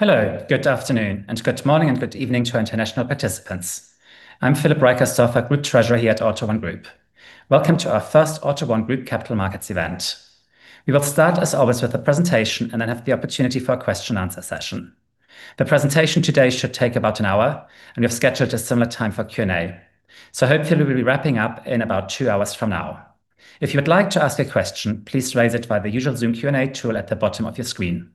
Hello. Good afternoon, good morning, and good evening to our international participants. I'm Philip Reicherstorfer, Group Treasurer here at AUTO1 Group. Welcome to our first AUTO1 Group capital markets event. We will start, as always, with a presentation and then have the opportunity for a question answer session. The presentation today should take about an hour, and we've scheduled a similar time for Q&A. Hopefully we'll be wrapping up in about two hours from now. If you would like to ask a question, please raise it by the usual Zoom Q&A tool at the bottom of your screen.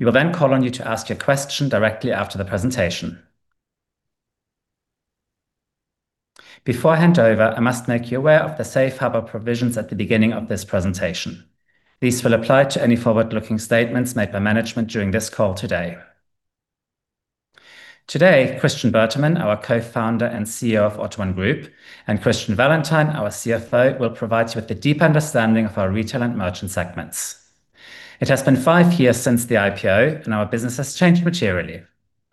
We will then call on you to ask your question directly after the presentation. Before I hand over, I must make you aware of the safe harbor provisions at the beginning of this presentation. These will apply to any forward-looking statements made by management during this call today. Today, Christian Bertermann, our Co-Founder and CEO of AUTO1 Group, Christian Wallentin, our CFO, will provide you with a deeper understanding of our retail and merchant segments. It has been five years since the IPO. Our business has changed materially.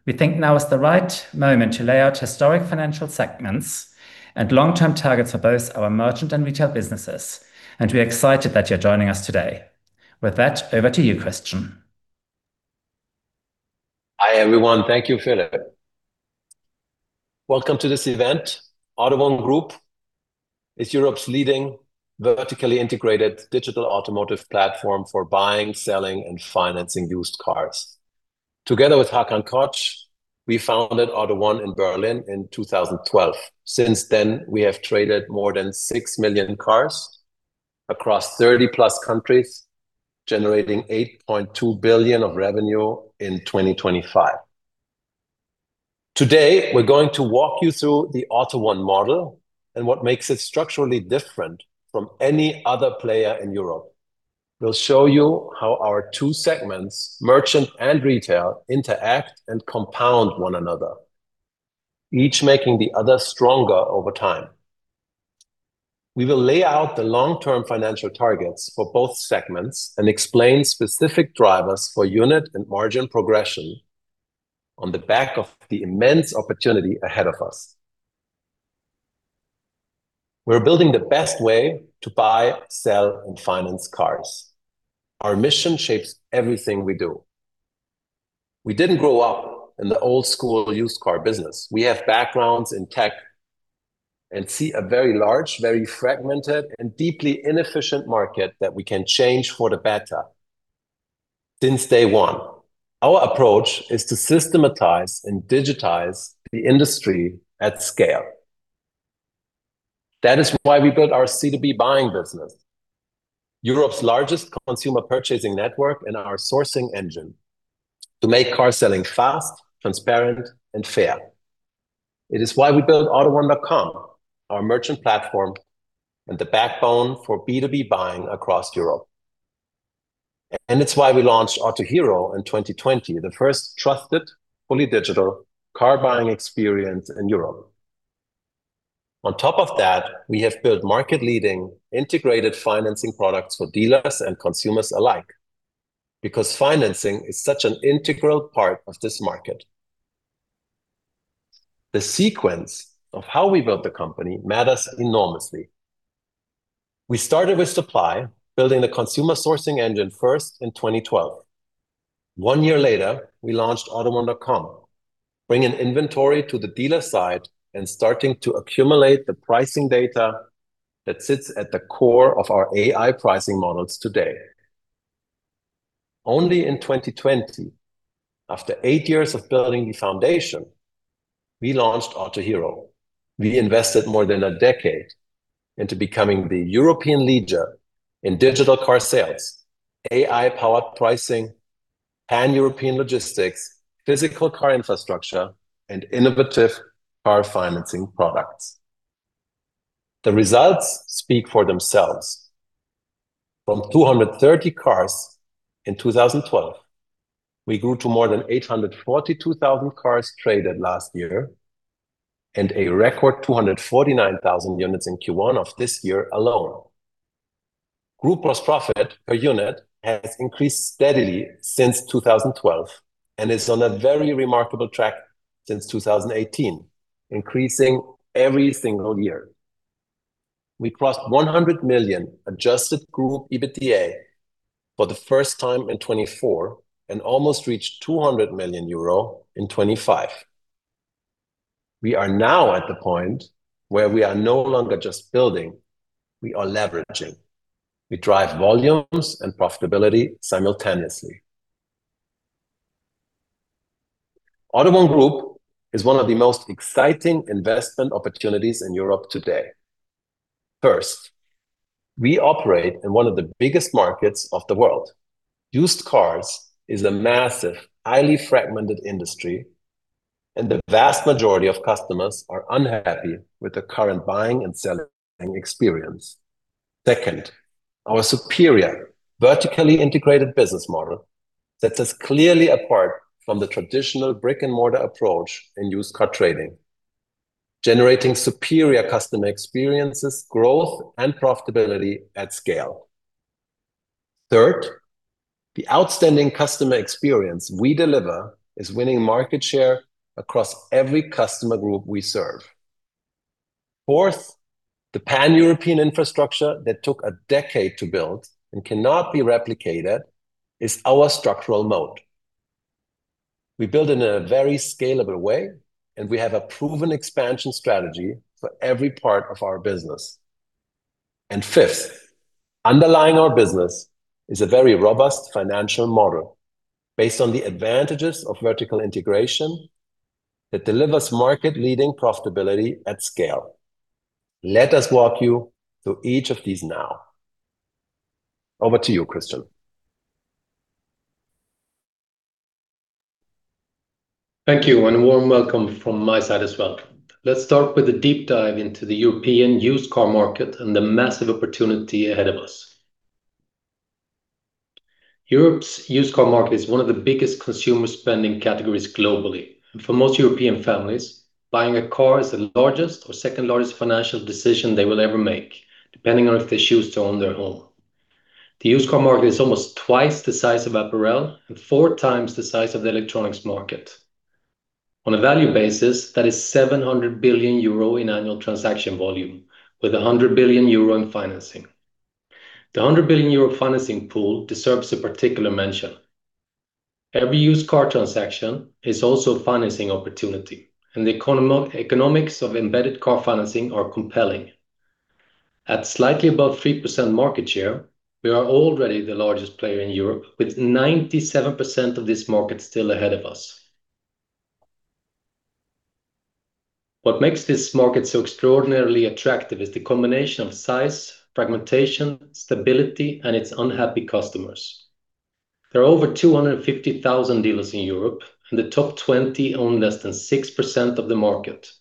We think now is the right moment to lay out historic financial segments and long-term targets for both our merchant and retail businesses. We're excited that you're joining us today. With that, over to you, Christian. Hi, everyone. Thank you, Philip. Welcome to this event. AUTO1 Group is Europe's leading vertically integrated digital automotive platform for buying, selling, and financing used cars. Together with Hakan Koç, we founded AUTO1 in Berlin in 2012. Since then, we have traded more than six million cars across 30-plus countries, generating 8.2 billion of revenue in 2025. Today, we're going to walk you through the AUTO1 model and what makes it structurally different from any other player in Europe. We'll show you how our two segments, merchant and retail, interact and compound one another, each making the other stronger over time. We will lay out the long-term financial targets for both segments and explain specific drivers for unit and margin progression on the back of the immense opportunity ahead of us. We're building the best way to buy, sell, and finance cars. Our mission shapes everything we do. We didn't grow up in the old school used car business. We have backgrounds in tech and see a very large, very fragmented, and deeply inefficient market that we can change for the better. Since day one, our approach is to systematize and digitize the industry at scale. That is why we built our C2B buying business, Europe's largest consumer purchasing network and our sourcing engine, to make car selling fast, transparent, and fair. It is why we built AUTO1.com, our merchant platform, and the backbone for B2B buying across Europe. It's why we launched Autohero in 2020, the first trusted fully digital car buying experience in Europe. On top of that, we have built market leading integrated financing products for dealers and consumers alike because financing is such an integral part of this market. The sequence of how we built the company matters enormously. We started with supply, building the consumer sourcing engine first in 2012. One year later, we launched AUTO1.com, bringing inventory to the dealer side and starting to accumulate the pricing data that sits at the core of our AI pricing models today. Only in 2020, after eight years of building the foundation, we launched Autohero. We invested more than a decade into becoming the European leader in digital car sales, AI-powered pricing, Pan-European logistics, physical car infrastructure, and innovative car financing products. The results speak for themselves. From 230 cars in 2012, we grew to more than 842,000 cars traded last year and a record 249,000 units in Q1 of this year alone. Group gross profit per unit has increased steadily since 2012 and is on a very remarkable track since 2018, increasing every single year. We crossed 100 million adjusted group EBITDA for the first time in 2024 and almost reached 200 million euro in 2025. We are now at the point where we are no longer just building, we are leveraging. We drive volumes and profitability simultaneously. AUTO1 Group is one of the most exciting investment opportunities in Europe today. First, we operate in one of the biggest markets of the world. Used cars is a massive, highly fragmented industry, and the vast majority of customers are unhappy with the current buying and selling experience. Second, our superior vertically integrated business model sets us clearly apart from the traditional brick-and-mortar approach in used car trading, generating superior customer experiences, growth, and profitability at scale. Third, the outstanding customer experience we deliver is winning market share across every customer group we serve. Fourth, the Pan-European infrastructure that took a decade to build and cannot be replicated is our structural moat. We build in a very scalable way, and we have a proven expansion strategy for every part of our business. Fifth, underlying our business is a very robust financial model based on the advantages of vertical integration that delivers market-leading profitability at scale. Let us walk you through each of these now. Over to you, Christian. Thank you, and a warm welcome from my side as well. Let's start with a deep dive into the European used car market and the massive opportunity ahead of us. Europe's used car market is one of the biggest consumer spending categories globally. For most European families, buying a car is the largest or second-largest financial decision they will ever make, depending on if they choose to own their home. The used car market is almost twice the size of apparel and four times the size of the electronics market. On a value basis, that is 700 billion euro in annual transaction volume, with 100 billion euro in financing. The 100 billion euro financing pool deserves a particular mention. Every used car transaction is also a financing opportunity, and the economics of embedded car financing are compelling. At slightly above 3% market share, we are already the largest player in Europe, with 97% of this market still ahead of us. What makes this market so extraordinarily attractive is the combination of size, fragmentation, stability, and its unhappy customers. There are over 250,000 dealers in Europe, and the top 20 own less than 6% of the market.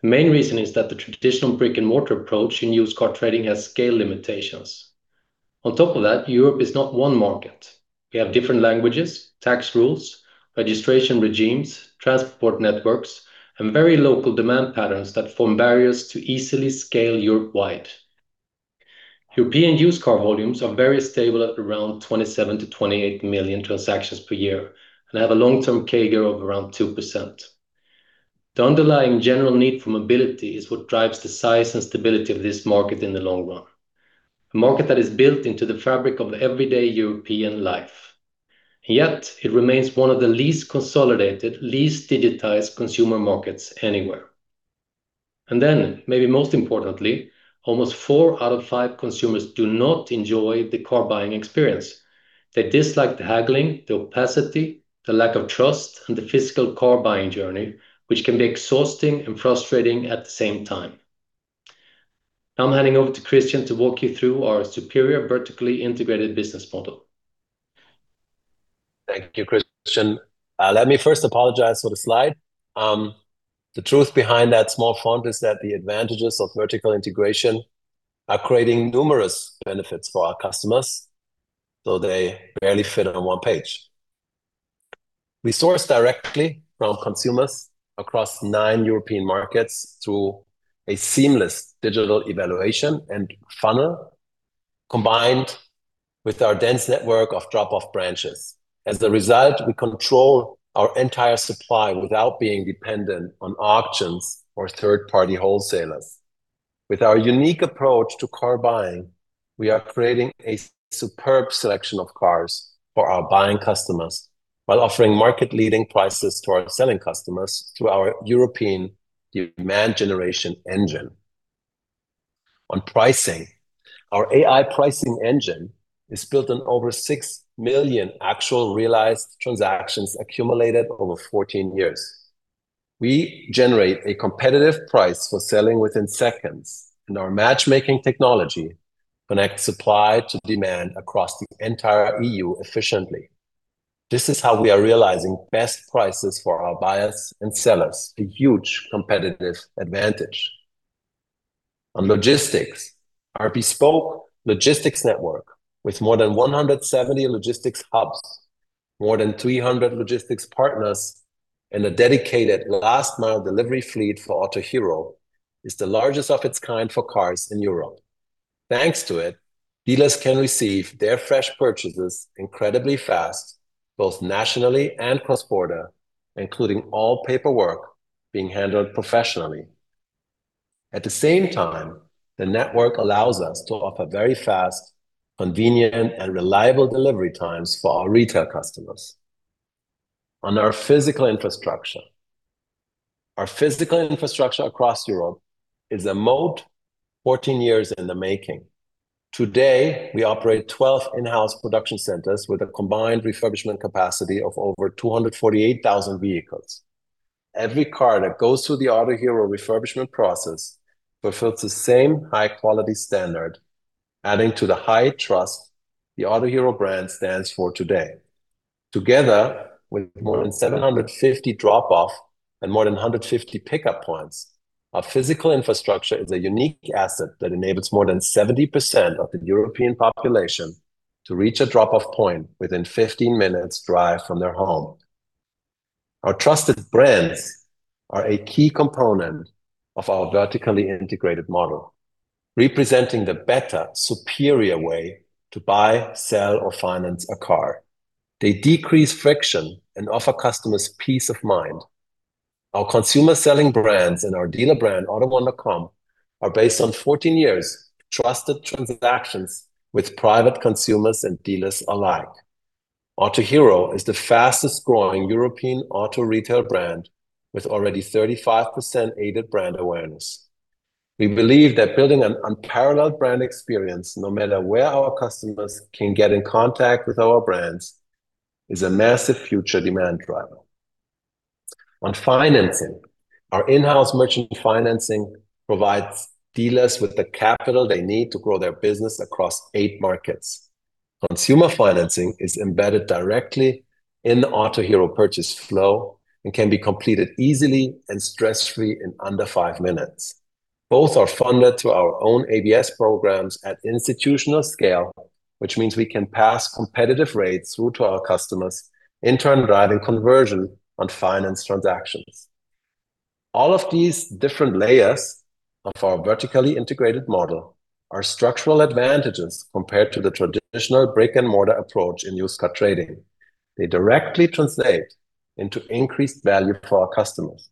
The main reason is that the traditional brick-and-mortar approach in used car trading has scale limitations. On top of that, Europe is not one market. We have different languages, tax rules, registration regimes, transport networks, and very local demand patterns that form barriers to easily scale Europe-wide. European used car volumes are very stable at around 27 to 28 million transactions per year and have a long-term CAGR of around 2%. The underlying general need for mobility is what drives the size and stability of this market in the long run, a market that is built into the fabric of everyday European life, yet it remains one of the least consolidated, least digitized consumer markets anywhere. Then, maybe most importantly, almost four out of five consumers do not enjoy the car-buying experience. They dislike the haggling, the opacity, the lack of trust, and the physical car-buying journey, which can be exhausting and frustrating at the same time. Now I'm handing over to Christian to walk you through our superior vertically integrated business model. Thank you, Christian. Let me first apologize for the slide. The truth behind that small font is that the advantages of vertical integration are creating numerous benefits for our customers, so they barely fit on one page. We source directly from consumers across nine European markets through a seamless digital evaluation and funnel, combined with our dense network of drop-off branches. As a result, we control our entire supply without being dependent on auctions or third-party wholesalers. With our unique approach to car buying, we are creating a superb selection of cars for our buying customers while offering market-leading prices to our selling customers through our European demand generation engine. On pricing, our AI pricing engine is built on over 6 million actual realized transactions accumulated over 14 years. We generate a competitive price for selling within seconds, our matchmaking technology connects supply to demand across the entire EU efficiently. This is how we are realizing best prices for our buyers and sellers, a huge competitive advantage. On logistics, our bespoke logistics network with more than 170 logistics hubs, more than 300 logistics partners, and a dedicated last-mile delivery fleet for Autohero is the largest of its kind for cars in Europe. Thanks to it, dealers can receive their fresh purchases incredibly fast, both nationally and cross-border, including all paperwork being handled professionally. At the same time, the network allows us to offer very fast, convenient, and reliable delivery times for our retail customers. On our physical infrastructure, our physical infrastructure across Europe is a moat 14 years in the making. Today, we operate 12 in-house production centers with a combined refurbishment capacity of over 248,000 vehicles. Every car that goes through the Autohero refurbishment process fulfills the same high-quality standard, adding to the high trust the Autohero brand stands for today. Together with more than 750 drop-off and more than 150 pickup points, our physical infrastructure is a unique asset that enables more than 70% of the European population to reach a drop-off point within 15 minutes' drive from their home. Our trusted brands are a key component of our vertically integrated model representing the better, superior way to buy, sell, or finance a car. They decrease friction and offer customers peace of mind. Our consumer-selling brands and our dealer brand, AUTO1.com, are based on 14 years trusted transactions with private consumers and dealers alike. Autohero is the fastest-growing European auto retail brand with already 35% aided brand awareness. We believe that building an unparalleled brand experience, no matter where our customers can get in contact with our brands, is a massive future demand driver. On financing, our in-house merchant financing provides dealers with the capital they need to grow their business across eight markets. Consumer financing is embedded directly in the Autohero purchase flow and can be completed easily and stress-free in under five minutes. Both are funded through our own ABS programs at institutional scale, which means we can pass competitive rates through to our customers, in turn driving conversion on finance transactions. All of these different layers of our vertically integrated model are structural advantages compared to the traditional brick-and-mortar approach in used car trading. They directly translate into increased value for our customers.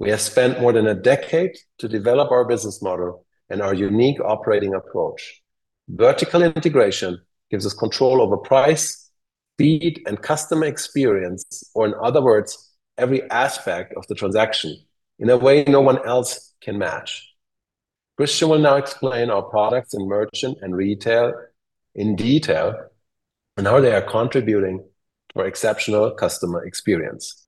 We have spent more than a decade to develop our business model and our unique operating approach. Vertical integration gives us control over price, speed, and customer experience, or in other words, every aspect of the transaction in a way no one else can match. Christian will now explain our products in merchant and retail in detail and how they are contributing to our exceptional customer experience.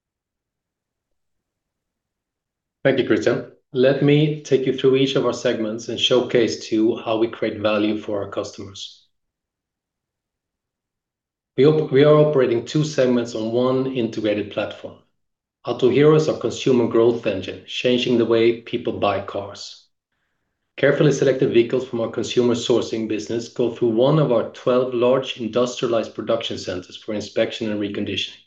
Thank you, Christian. Let me take you through each of our segments and showcase to you how we create value for our customers. We are operating two segments on one integrated platform. Autohero is our consumer growth engine, changing the way people buy cars. Carefully selected vehicles from our consumer sourcing business go through one of our 12 large industrialized production centers for inspection and reconditioning.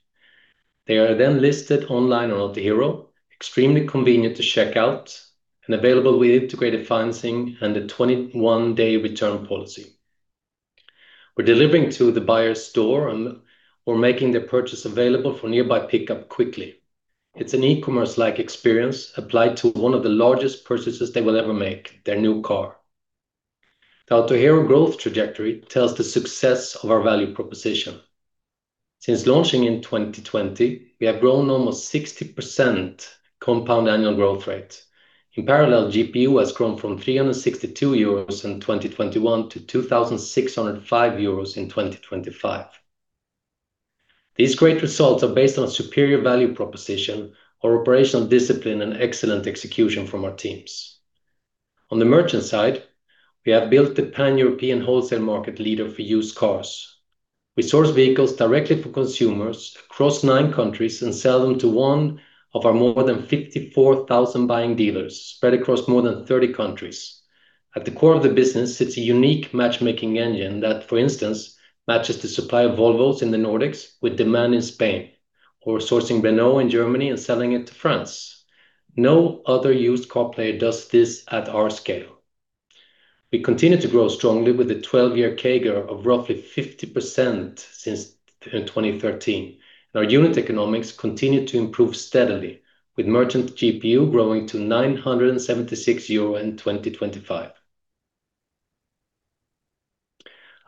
They are then listed online on Autohero, extremely convenient to check out, and available with integrated financing and a 21-day return policy. We're delivering to the buyer's door and we're making their purchase available for nearby pickup quickly. It's an e-commerce-like experience applied to one of the largest purchases they will ever make, their new car. The Autohero growth trajectory tells the success of our value proposition. Since launching in 2020, we have grown almost 60% compound annual growth rate. In parallel, GPU has grown from 362 euros in 2021 to 2,605 euros in 2025. These great results are based on a superior value proposition, our operational discipline, and excellent execution from our teams. On the merchant side, we have built the pan-European wholesale market leader for used cars. We source vehicles directly from consumers across nine countries and sell them to one of our more than 54,000 buying dealers spread across more than 30 countries. At the core of the business, sits a unique matchmaking engine that, for instance, matches the supply of Volvos in the Nordics with demand in Spain, or sourcing Renault in Germany and selling it to France. No other used car player does this at our scale. We continue to grow strongly with a 12-year CAGR of roughly 50% since 2013. Our unit economics continue to improve steadily with merchant GPU growing to 976 euro in 2025.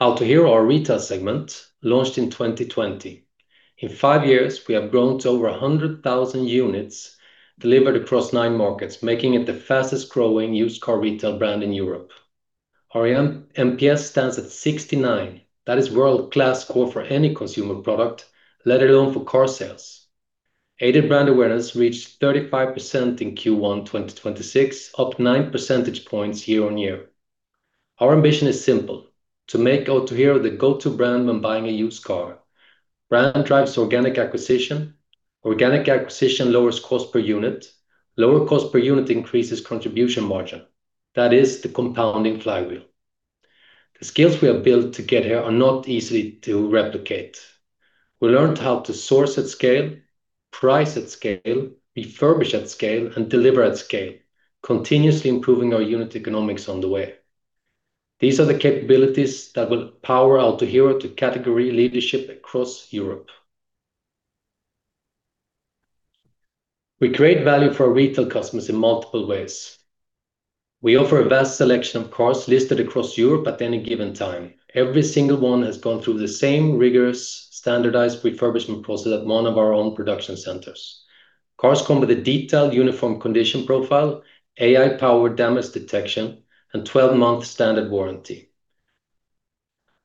Autohero, our retail segment, launched in 2020. In five years, we have grown to over 100,000 units delivered across nine markets, making it the fastest-growing used car retail brand in Europe. Our NPS stands at 69. That is world-class score for any consumer product, let alone for car sales. Aided brand awareness reached 35% in Q1 2026, up nine percentage points year-on-year. Our ambition is simple, to make Autohero the go-to brand when buying a used car. Brand drives organic acquisition. Organic acquisition lowers cost per unit. Lower cost per unit increases contribution margin. That is the compounding flywheel. The skills we have built to get here are not easy to replicate. We learned how to source at scale, price at scale, refurbish at scale, and deliver at scale, continuously improving our unit economics on the way. These are the capabilities that will power Autohero to category leadership across Europe. We create value for our retail customers in multiple ways. We offer a vast selection of cars listed across Europe at any given time. Every single one has gone through the same rigorous, standardized refurbishment process at one of our own production centers. Cars come with a detailed uniform condition profile, AI-powered damage detection, and 12-month standard warranty.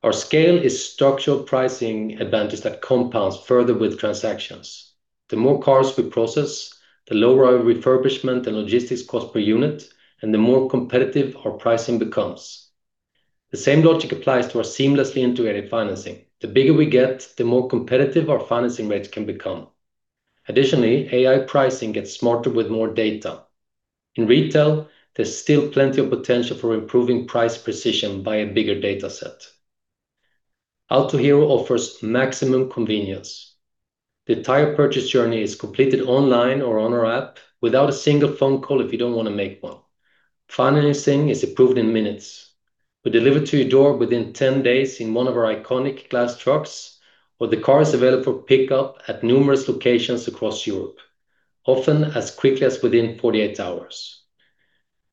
Our scale is structural pricing advantage that compounds further with transactions. The more cars we process, the lower our refurbishment and logistics cost per unit, and the more competitive our pricing becomes. The same logic applies to our seamlessly integrated financing. The bigger we get, the more competitive our financing rates can become. Additionally, AI pricing gets smarter with more data. In retail, there's still plenty of potential for improving price precision by a bigger data set. Autohero offers maximum convenience. The entire purchase journey is completed online or on our app without a single phone call if you don't want to make one. Financing is approved in minutes. We deliver to your door within 10 days in one of our iconic glass trucks, or the car is available for pickup at numerous locations across Europe, often as quickly as within 48 hours.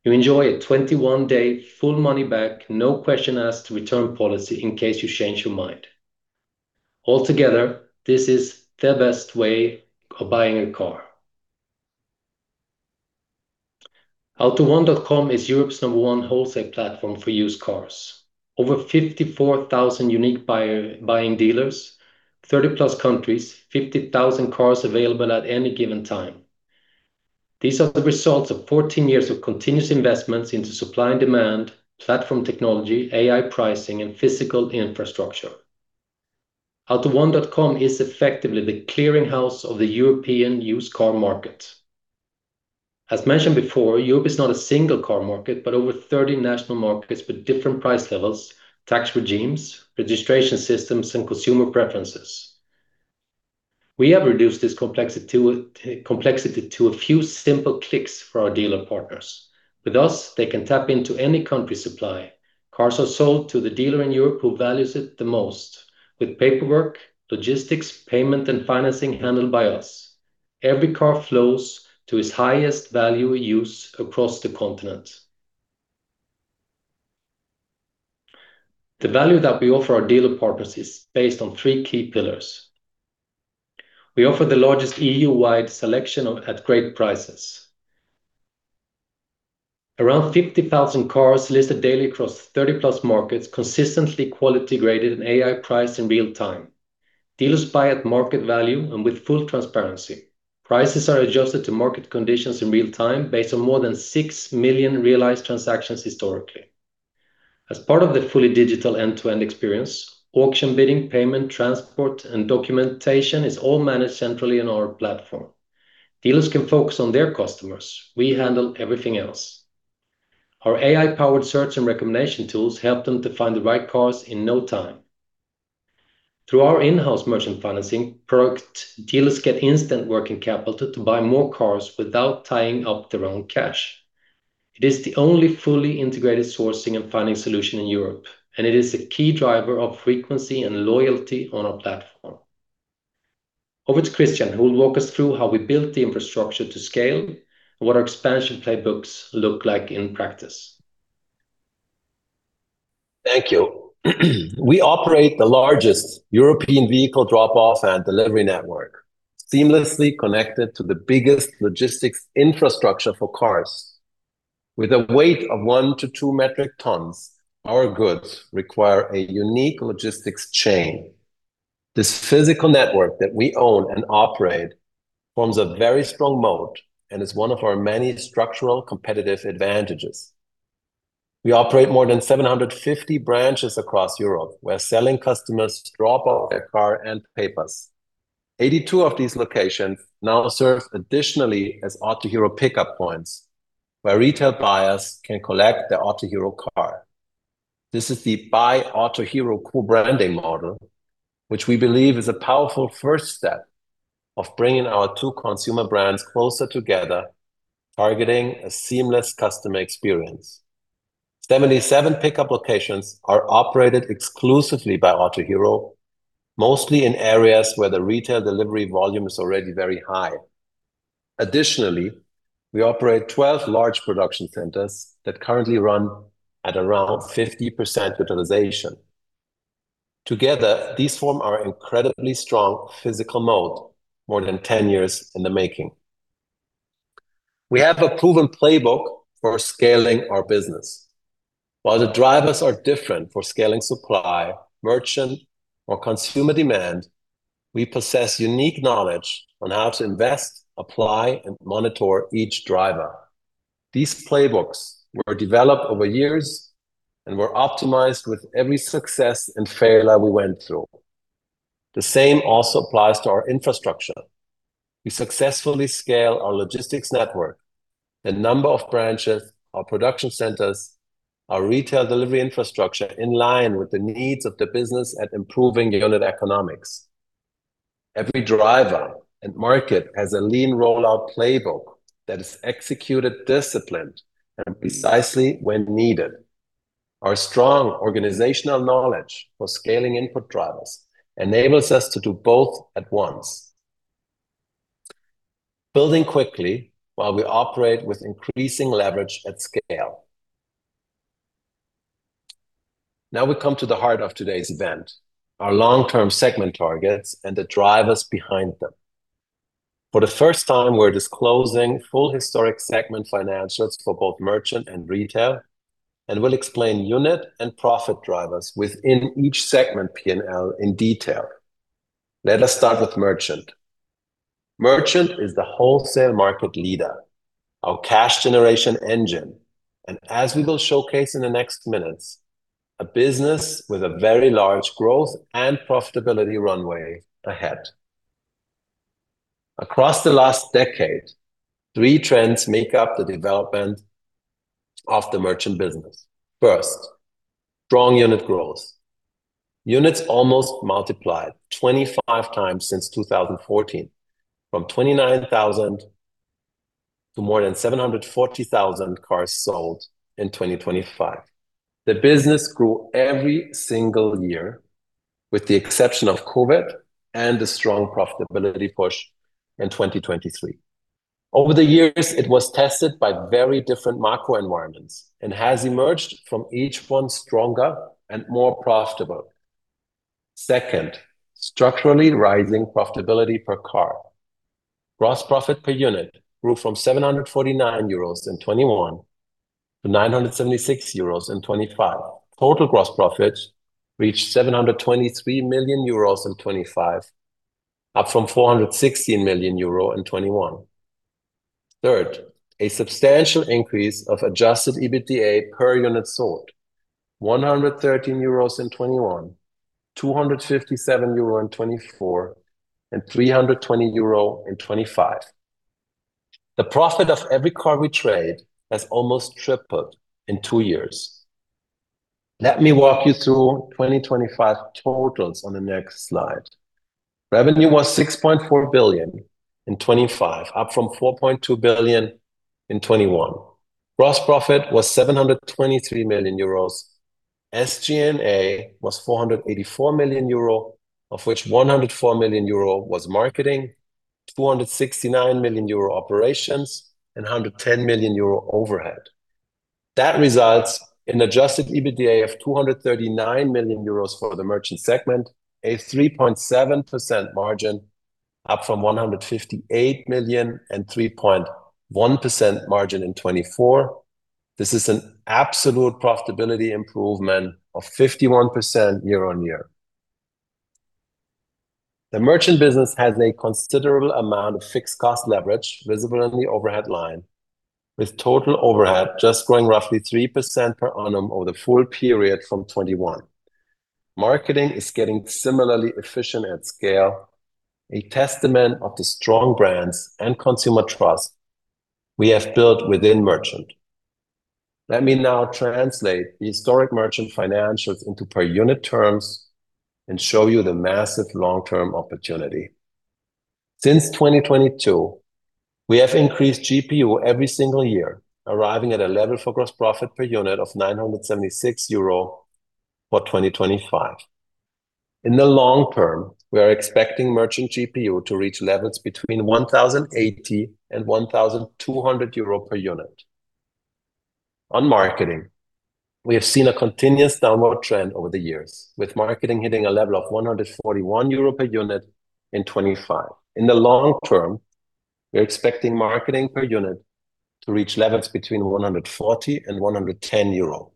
You enjoy a 21-day, full money-back, no-question-asked return policy in case you change your mind. Altogether, this is the best way of buying a car. AUTO1.com is Europe's number one wholesale platform for used cars. Over 54,000 unique buying dealers, 30-plus countries, 50,000 cars available at any given time. These are the results of 14 years of continuous investments into supply and demand, platform technology, AI pricing, and physical infrastructure. AUTO1.com is effectively the clearinghouse of the European used car market. As mentioned before, Europe is not a single car market, but over 30 national markets with different price levels, tax regimes, registration systems and consumer preferences. We have reduced this complexity to a few simple clicks for our dealer partners. With us, they can tap into any country's supply. Cars are sold to the dealer in Europe who values it the most. With paperwork, logistics, payment and financing handled by us, every car flows to its highest value use across the continent. The value that we offer our dealer partners is based on three key pillars. We offer the largest EU-wide selection at great prices. Around 50,000 cars listed daily across 30-plus markets, consistently quality graded and AI priced in real time. Dealers buy at market value and with full transparency. Prices are adjusted to market conditions in real time based on more than 6 million realized transactions historically. As part of the fully digital end-to-end experience, auction bidding, payment, transport, and documentation is all managed centrally on our platform. Dealers can focus on their customers. We handle everything else. Our AI-powered search and recommendation tools help them to find the right cars in no time. Through our in-house merchant financing product, dealers get instant working capital to buy more cars without tying up their own cash. It is the only fully integrated sourcing and funding solution in Europe, and it is a key driver of frequency and loyalty on our platform. Over to Christian, who will walk us through how we built the infrastructure to scale and what our expansion playbooks look like in practice. Thank you. We operate the largest European vehicle drop-off and delivery network, seamlessly connected to the biggest logistics infrastructure for cars. With a weight of one to two metric tons, our goods require a unique logistics chain. This physical network that we own and operate forms a very strong moat and is one of our many structural competitive advantages. We operate more than 750 branches across Europe, where selling customers drop off their car and papers. 82 of these locations now serve additionally as Autohero pickup points, where retail buyers can collect their Autohero car. This is the Buy Autohero co-branding model, which we believe is a powerful first step of bringing our two consumer brands closer together, targeting a seamless customer experience. 77 pickup locations are operated exclusively by Autohero, mostly in areas where the retail delivery volume is already very high. Additionally, we operate 12 large production centers that currently run at around 50% utilization. Together, these form our incredibly strong physical moat, more than 10 years in the making. We have a proven playbook for scaling our business. While the drivers are different for scaling supply, merchant, or consumer demand, we possess unique knowledge on how to invest, apply, and monitor each driver. These playbooks were developed over years and were optimized with every success and failure we went through. The same also applies to our infrastructure. We successfully scale our logistics network, the number of branches, our production centers, our retail delivery infrastructure in line with the needs of the business at improving unit economics. Every driver and market has a lean rollout playbook that is executed disciplined and precisely when needed. Our strong organizational knowledge for scaling input drivers enables us to do both at once, building quickly while we operate with increasing leverage at scale. We come to the heart of today's event, our long-term segment targets and the drivers behind them. For the first time, we're disclosing full historic segment financials for both merchant and retail and will explain unit and profit drivers within each segment P&L in detail. Let us start with merchant. Merchant is the wholesale market leader, our cash generation engine, and as we will showcase in the next minutes, a business with a very large growth and profitability runway ahead. Across the last decade, three trends make up the development of the merchant business. First, strong unit growth. Units almost multiplied 25 times since 2014, from 29,000 to more than 740,000 cars sold in 2025. The business grew every single year, with the exception of COVID and a strong profitability push in 2023. Over the years, it was tested by very different macro environments and has emerged from each one stronger and more profitable. Second, structurally rising profitability per car. Gross profit per unit grew from 749 euros in 2021 to 976 euros in 2025. Total gross profit reached 723 million euros in 2025, up from 416 million euro in 2021. Third, a substantial increase of adjusted EBITDA per unit sold, 113 euros in 2021, 257 euro in 2024, and 320 euro in 2025. The profit of every car we trade has almost tripled in two years. Let me walk you through 2025 totals on the next slide. Revenue was 6.4 billion in 2025, up from 4.2 billion in 2021. Gross profit was 723 million euros. SG&A was 484 million euro, of which 104 million euro was marketing, 269 million euro operations, and 110 million euro overhead. That results in adjusted EBITDA of 239 million euros for the merchant segment, a 3.7% margin up from 158 million and 3.1% margin in 2024. This is an absolute profitability improvement of 51% year-on-year. The merchant business has a considerable amount of fixed cost leverage visible in the overhead line, with total overhead just growing roughly 3% per annum over the full period from 2021. Marketing is getting similarly efficient at scale, a testament of the strong brands and consumer trust we have built within merchant. We now translate the historic merchant financials into per unit terms and show you the massive long-term opportunity. Since 2022, we have increased GPU every single year, arriving at a level for gross profit per unit of 976 euro for 2025. In the long term, we are expecting merchant GPU to reach levels between 1,080 and 1,200 euro per unit. On marketing, we have seen a continuous downward trend over the years, with marketing hitting a level of 141 euro per unit in 2025. In the long term, we are expecting marketing per unit to reach levels between 140 and 110 euro.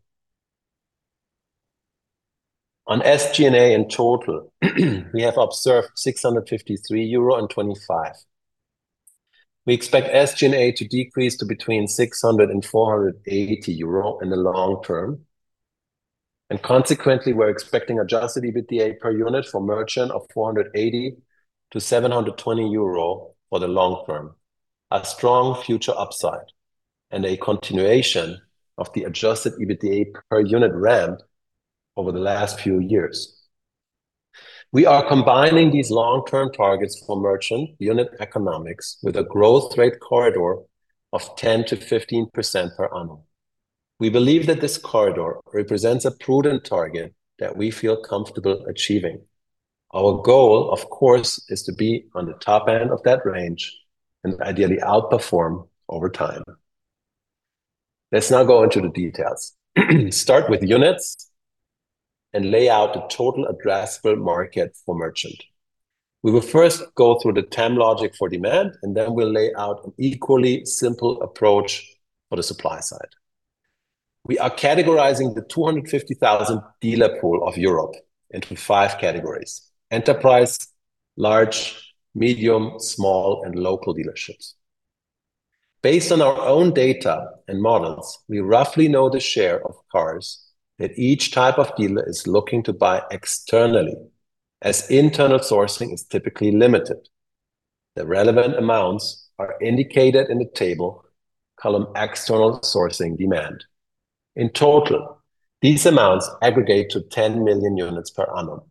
On SG&A in total, we have observed 653 euro in 2025. We expect SG&A to decrease to between 600 and 480 euro in the long term, consequently, we're expecting adjusted EBITDA per unit for merchant of 480 to 720 euro for the long term, a strong future upside and a continuation of the adjusted EBITDA per unit ramp over the last few years. We are combining these long-term targets for merchant unit economics with a growth rate corridor of 10%-15% per annum. We believe that this corridor represents a prudent target that we feel comfortable achieving. Our goal, of course, is to be on the top end of that range and ideally outperform over time. Let's now go into the details. Start with units and lay out the total addressable market for merchant. We will first go through the TAM logic for demand, then we'll lay out an equally simple approach for the supply side. We are categorizing the 250,000 dealer pool of Europe into 5 categories: enterprise, large, medium, small, and local dealerships. Based on our own data and models, we roughly know the share of cars that each type of dealer is looking to buy externally, as internal sourcing is typically limited. The relevant amounts are indicated in the table column external sourcing demand. In total, these amounts aggregate to 10 million units per annum.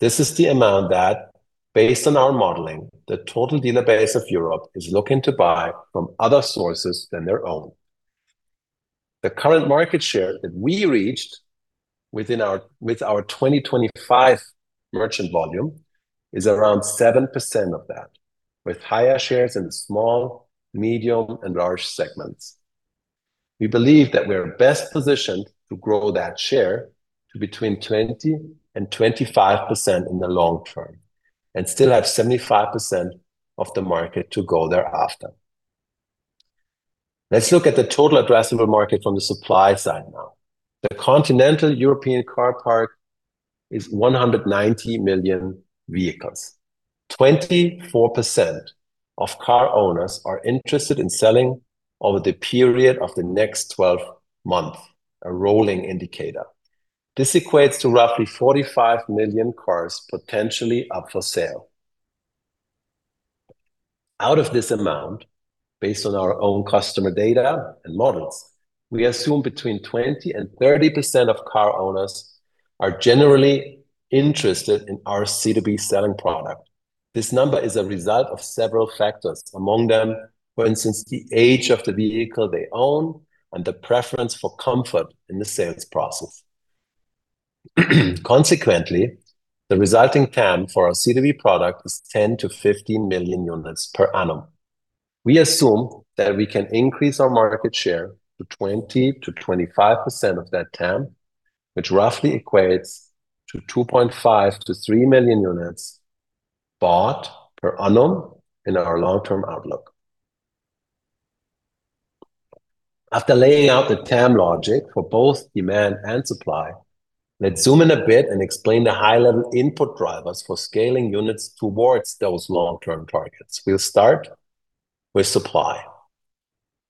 This is the amount that, based on our modeling, the total dealer base of Europe is looking to buy from other sources than their own. The current market share that we reached with our 2025 merchant volume is around 7% of that, with higher shares in the small, medium, and large segments. We believe that we're best positioned to grow that share to between 20% and 25% in the long term and still have 75% of the market to go thereafter. Let's look at the total addressable market from the supply side now. The continental European car park is 190 million vehicles. 24% of car owners are interested in selling over the period of the next 12 months, a rolling indicator. This equates to roughly 45 million cars potentially up for sale. Out of this amount, based on our own customer data and models, we assume between 20% and 30% of car owners are generally interested in our C2B selling product. This number is a result of several factors, among them, for instance, the age of the vehicle they own and the preference for comfort in the sales process. Consequently, the resulting TAM for our C2B product is 10 million to 15 million units per annum. We assume that we can increase our market share to 20%-25% of that TAM, which roughly equates to 2.5 million to 3 million units bought per annum in our long-term outlook. After laying out the TAM logic for both demand and supply, let's zoom in a bit and explain the high-level input drivers for scaling units towards those long-term targets. We'll start with supply.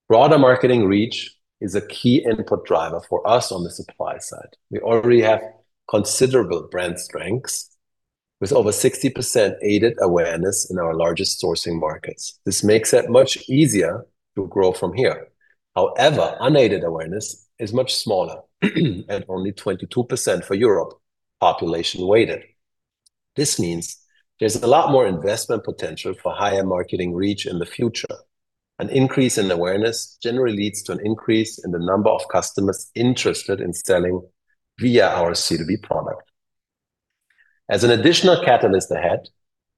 Broader marketing reach is a key input driver for us on the supply side. We already have considerable brand strengths, with over 60% aided awareness in our largest sourcing markets. This makes it much easier to grow from here. However, unaided awareness is much smaller and only 22% for Europe, population weighted. This means there's a lot more investment potential for higher marketing reach in the future. An increase in awareness generally leads to an increase in the number of customers interested in selling via our C2B product. As an additional catalyst ahead,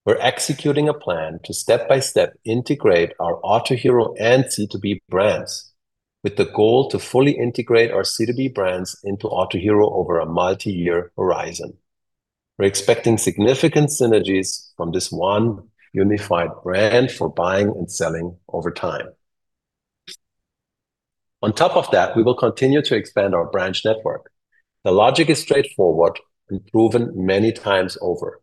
we're executing a plan to step by step integrate our Autohero and C2B brands with the goal to fully integrate our C2B brands into Autohero over a multi-year horizon. We're expecting significant synergies from this one unified brand for buying and selling over time. On top of that, we will continue to expand our branch network. The logic is straightforward and proven many times over.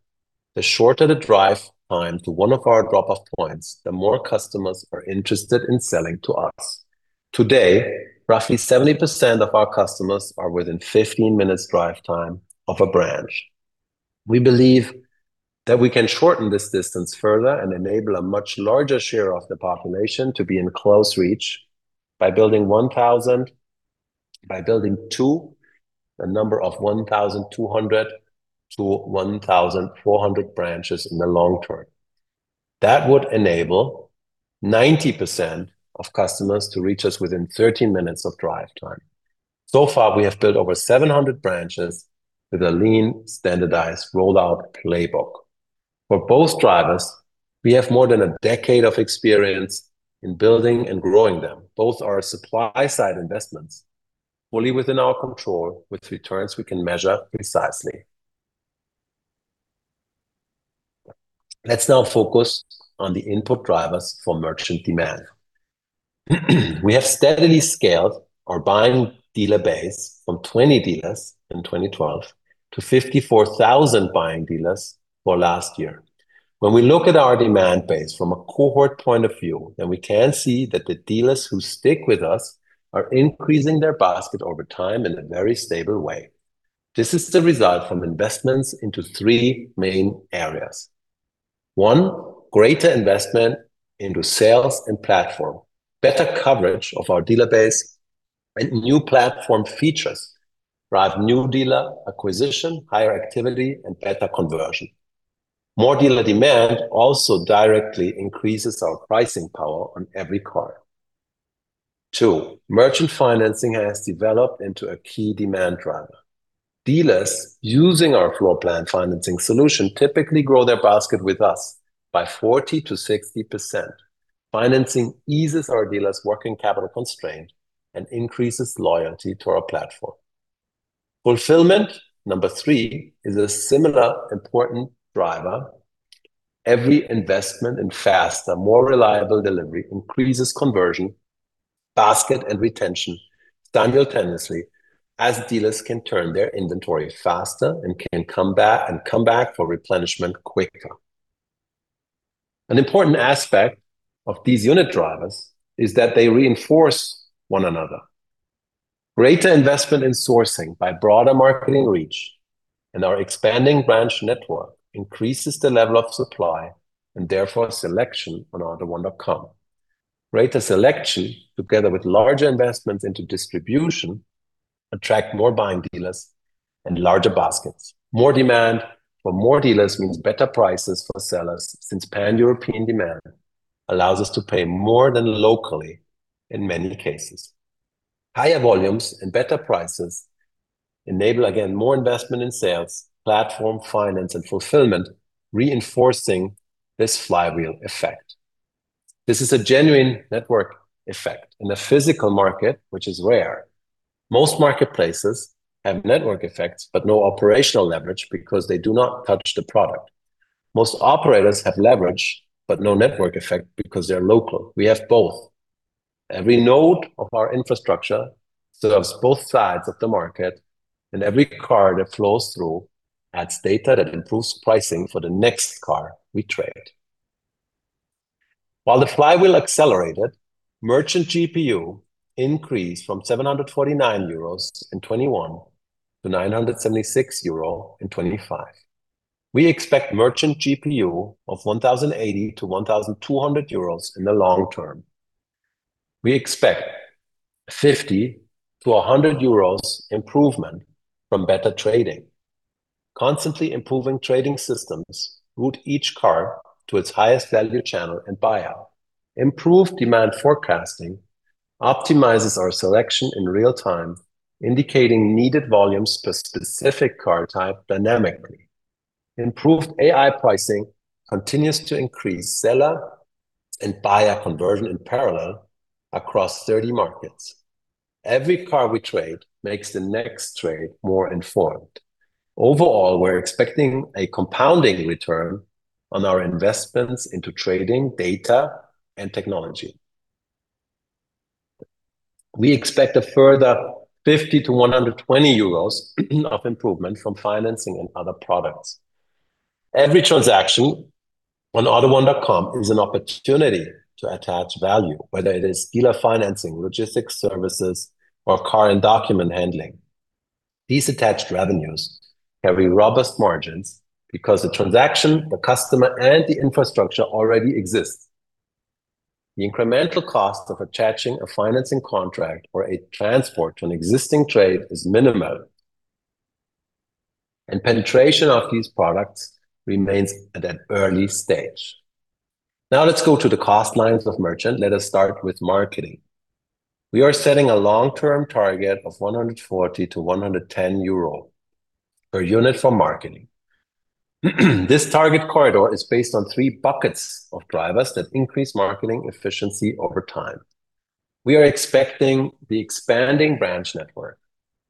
The shorter the drive time to one of our drop-off points, the more customers are interested in selling to us. Today, roughly 70% of our customers are within 15 minutes drive time of a branch. We believe that we can shorten this distance further and enable a much larger share of the population to be in close reach by building a number of 1,200-1,400 branches in the long term. That would enable 90% of customers to reach us within 13 minutes of drive time. So far, we have built over 700 branches with a lean, standardized rollout playbook. For both drivers, we have more than a decade of experience in building and growing them. Both are supply-side investments fully within our control with returns we can measure precisely. Let's now focus on the input drivers for merchant demand. We have steadily scaled our buying dealer base from 20 dealers in 2012 to 54,000 buying dealers for last year. When we look at our demand base from a cohort point of view, then we can see that the dealers who stick with us are increasing their basket over time in a very stable way. This is the result from investments into three main areas. One, greater investment into sales and platform, better coverage of our dealer base and new platform features drive new dealer acquisition, higher activity, and better conversion. More dealer demand also directly increases our pricing power on every car. Two, merchant financing has developed into a key demand driver. Dealers using our floor plan financing solution typically grow their basket with us by 40%-60%. Financing eases our dealers' working capital constraint and increases loyalty to our platform. Fulfillment, number 3, is a similar important driver. Every investment in faster, more reliable delivery increases conversion, basket, and retention standardly as dealers can turn their inventory faster and can come back for replenishment quicker. An important aspect of these unit drivers is that they reinforce one another. Greater investment in sourcing by broader marketing reach and our expanding branch network increases the level of supply and therefore selection on AUTO1.com. Greater selection together with larger investments into distribution attract more buying dealers and larger baskets. More demand for more dealers means better prices for sellers since Pan-European demand allows us to pay more than locally in many cases. Higher volumes and better prices enable, again, more investment in sales, platform finance, and fulfillment, reinforcing this flywheel effect. This is a genuine network effect in a physical market, which is rare. Most marketplaces have network effects but no operational leverage because they do not touch the product. Most operators have leverage but no network effect because they are local. We have both. Every node of our infrastructure serves both sides of the market, and every car that flows through adds data that improves pricing for the next car we trade. While the flywheel accelerated, merchant GPU increased from 749 euros in 2021 to 976 euro in 2025. We expect merchant GPU of 1,080-1,200 euros in the long term. We expect 50-100 euros improvement from better trading. Constantly improving trading systems route each car to its highest value channel and buyer. Improved demand forecasting optimizes our selection in real time, indicating needed volumes per specific car type dynamically. Improved AI pricing continues to increase seller and buyer conversion in parallel across 30 markets. Every car we trade makes the next trade more informed. Overall, we are expecting a compounding return on our investments into trading, data, and technology. We expect a further 50-120 euros of improvement from financing and other products. Every transaction on AUTO1.com is an opportunity to attach value, whether it is dealer financing, logistics services, or car and document handling. These attached revenues carry robust margins because the transaction, the customer, and the infrastructure already exists. The incremental cost of attaching a financing contract or a transport to an existing trade is minimal, and penetration of these products remains at an early stage. Let us go to the cost lines of merchant. Let us start with marketing. We are setting a long-term target of 140-110 euro per unit for marketing. This target corridor is based on three buckets of drivers that increase marketing efficiency over time. We are expecting the expanding branch network,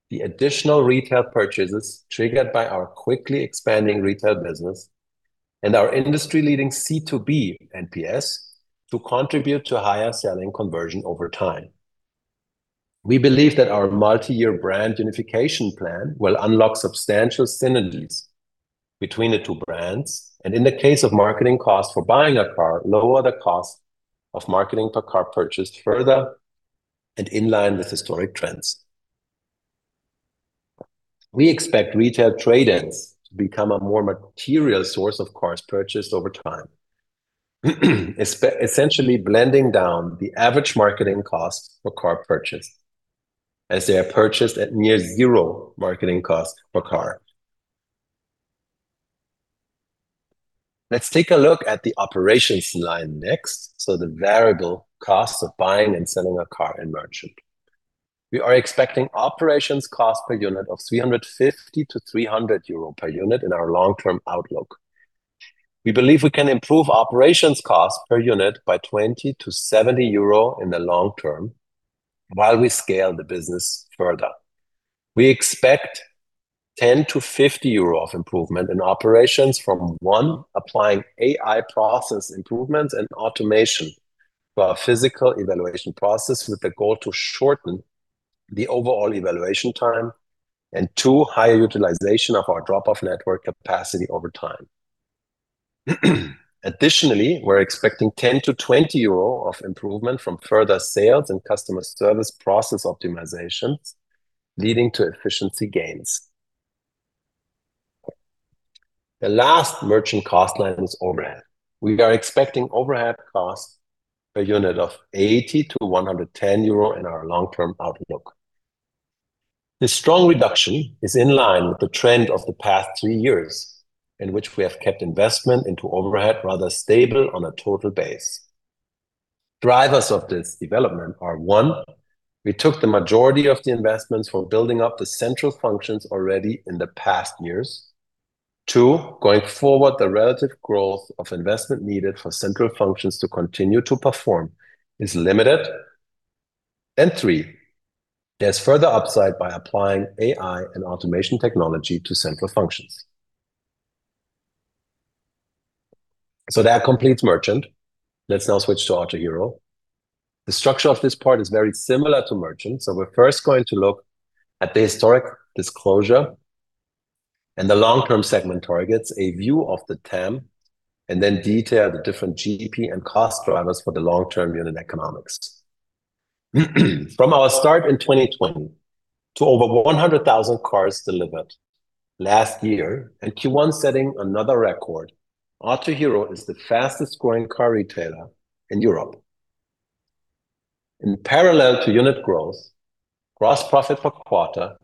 the additional retail purchases triggered by our quickly expanding retail business, and our industry-leading C2B NPS to contribute to higher selling conversion over time. We believe that our multi-year brand unification plan will unlock substantial synergies between the two brands, and in the case of marketing costs for buying a car, lower the cost of marketing per car purchased further and in line with historic trends. We expect retail trade-ins to become a more material source of cars purchased over time, essentially blending down the average marketing cost per car purchased, as they are purchased at near zero marketing cost per car. Let us take a look at the operations line next, so the variable costs of buying and selling a car in merchant. We are expecting operations cost per unit of 350-300 euro per unit in our long-term outlook. We believe we can improve operations cost per unit by 20-70 euro in the long term while we scale the business further. We expect 10-50 euro of improvement in operations from, one, applying AI process improvements and automation for our physical evaluation process with the goal to shorten the overall evaluation time, and two, higher utilization of our drop-off network capacity over time. Additionally, we are expecting 10-20 euro of improvement from further sales and customer service process optimizations, leading to efficiency gains. The last merchant cost line is overhead. We are expecting overhead cost per unit of 80-110 euro in our long-term outlook. This strong reduction is in line with the trend of the past three years in which we have kept investment into overhead rather stable on a total base. Drivers of this development are, one, we took the majority of the investments from building up the central functions already in the past years. Two, going forward, the relative growth of investment needed for central functions to continue to perform is limited. Three, there's further upside by applying AI and automation technology to central functions. That completes merchant. Let's now switch to Autohero. The structure of this part is very similar to merchant. We're first going to look at the historic disclosure and the long-term segment targets, a view of the TAM, and then detail the different GDP and cost drivers for the long-term unit economics. From our start in 2020 to over 100,000 cars delivered last year, and Q1 setting another record, Autohero is the fastest growing car retailer in Europe. In parallel to unit growth, gross profit per quarter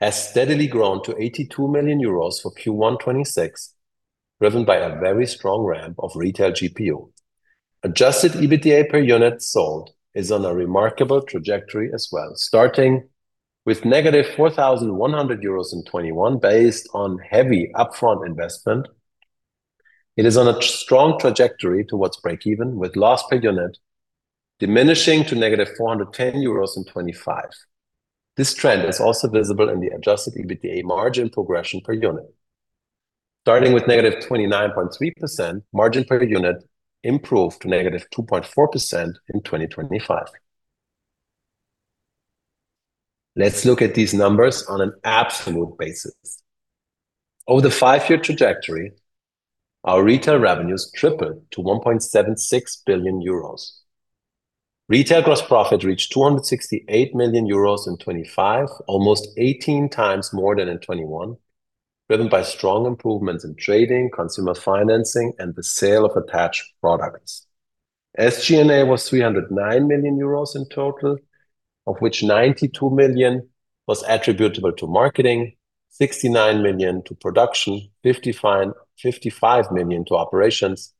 has steadily grown to 82 million euros for Q1 2026, driven by a very strong ramp of retail GPU. Adjusted EBITDA per unit sold is on a remarkable trajectory as well, starting with negative 4,100 euros in 2021. Based on heavy upfront investment, it is on a strong trajectory towards break even, with loss per unit diminishing to negative 410 euros in 2025. This trend is also visible in the Adjusted EBITDA margin progression per unit. Starting with -29.3%, margin per unit improved to -2.4% in 2025. Let's look at these numbers on an absolute basis. Over the five-year trajectory, our retail revenues tripled to 1.76 billion euros. Retail gross profit reached 268 million euros in 2025, almost 18 times more than in 2021, driven by strong improvements in trading, consumer financing, and the sale of attached products. SG&A was 309 million euros in total, of which 92 million was attributable to marketing, 69 million to production, 55 million to operations,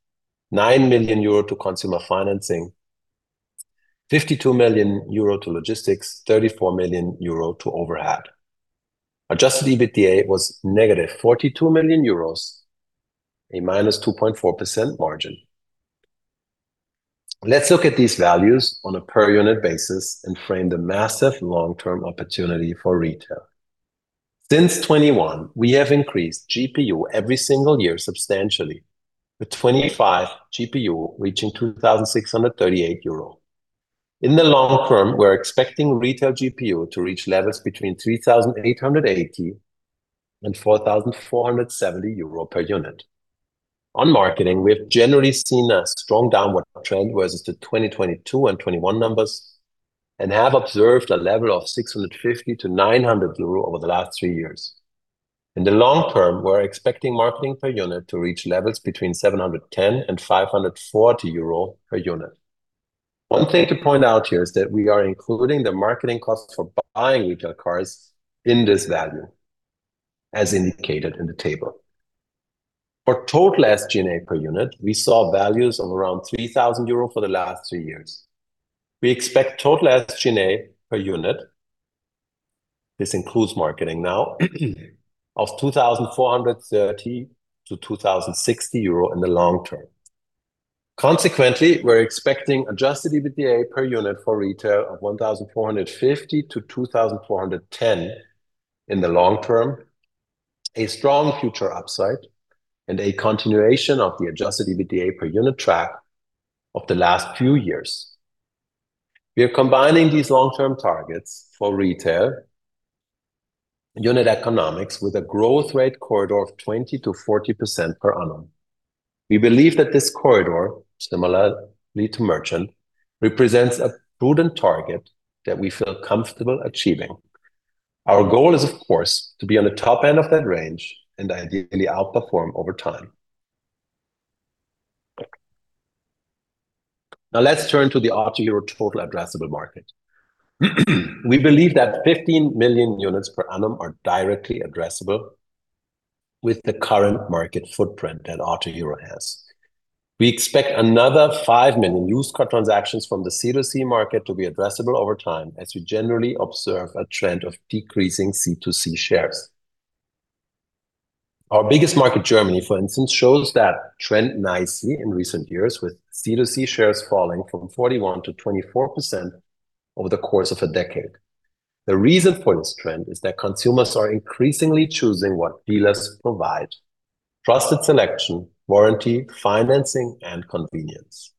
9 million euro to consumer financing, 52 million euro to logistics, 34 million euro to overhead. Adjusted EBITDA was negative 42 million euros, a -2.4% margin. Let's look at these values on a per unit basis and frame the massive long-term opportunity for retail. Since 2021, we have increased GPU every single year substantially, with 2025 GPU reaching 2,638 euro. In the long term, we're expecting retail GPU to reach levels between 3,880 and 4,470 euro per unit. On marketing, we have generally seen a strong downward trend versus the 2022 and 2021 numbers and have observed a level of 650 to 900 euro over the last three years. In the long term, we're expecting marketing per unit to reach levels between 710 and 540 euro per unit. One thing to point out here is that we are including the marketing costs for buying retail cars in this value, as indicated in the table. For total SG&A per unit, we saw values of around 3,000 euro for the last three years. We expect total SG&A per unit, this includes marketing now, of 2,430 to 2,060 euro in the long term. Consequently, we're expecting Adjusted EBITDA per unit for retail of 1,450-2,410 in the long term, a strong future upside, and a continuation of the Adjusted EBITDA per unit track of the last few years. We are combining these long-term targets for retail unit economics with a growth rate corridor of 20%-40% per annum. We believe that this corridor, similarly to merchant, represents a prudent target that we feel comfortable achieving. Our goal is, of course, to be on the top end of that range and ideally outperform over time. Now let's turn to the AUTO1 Group total addressable market. We believe that 15 million units per annum are directly addressable with the current market footprint that AUTO1 Group has. We expect another 5 million used car transactions from the C2C market to be addressable over time, as we generally observe a trend of decreasing C2C shares. Our biggest market, Germany, for instance, shows that trend nicely in recent years, with C2C shares falling from 41% to 24% over the course of a decade. The reason for this trend is that consumers are increasingly choosing what dealers provide, trusted selection, warranty, financing, and convenience.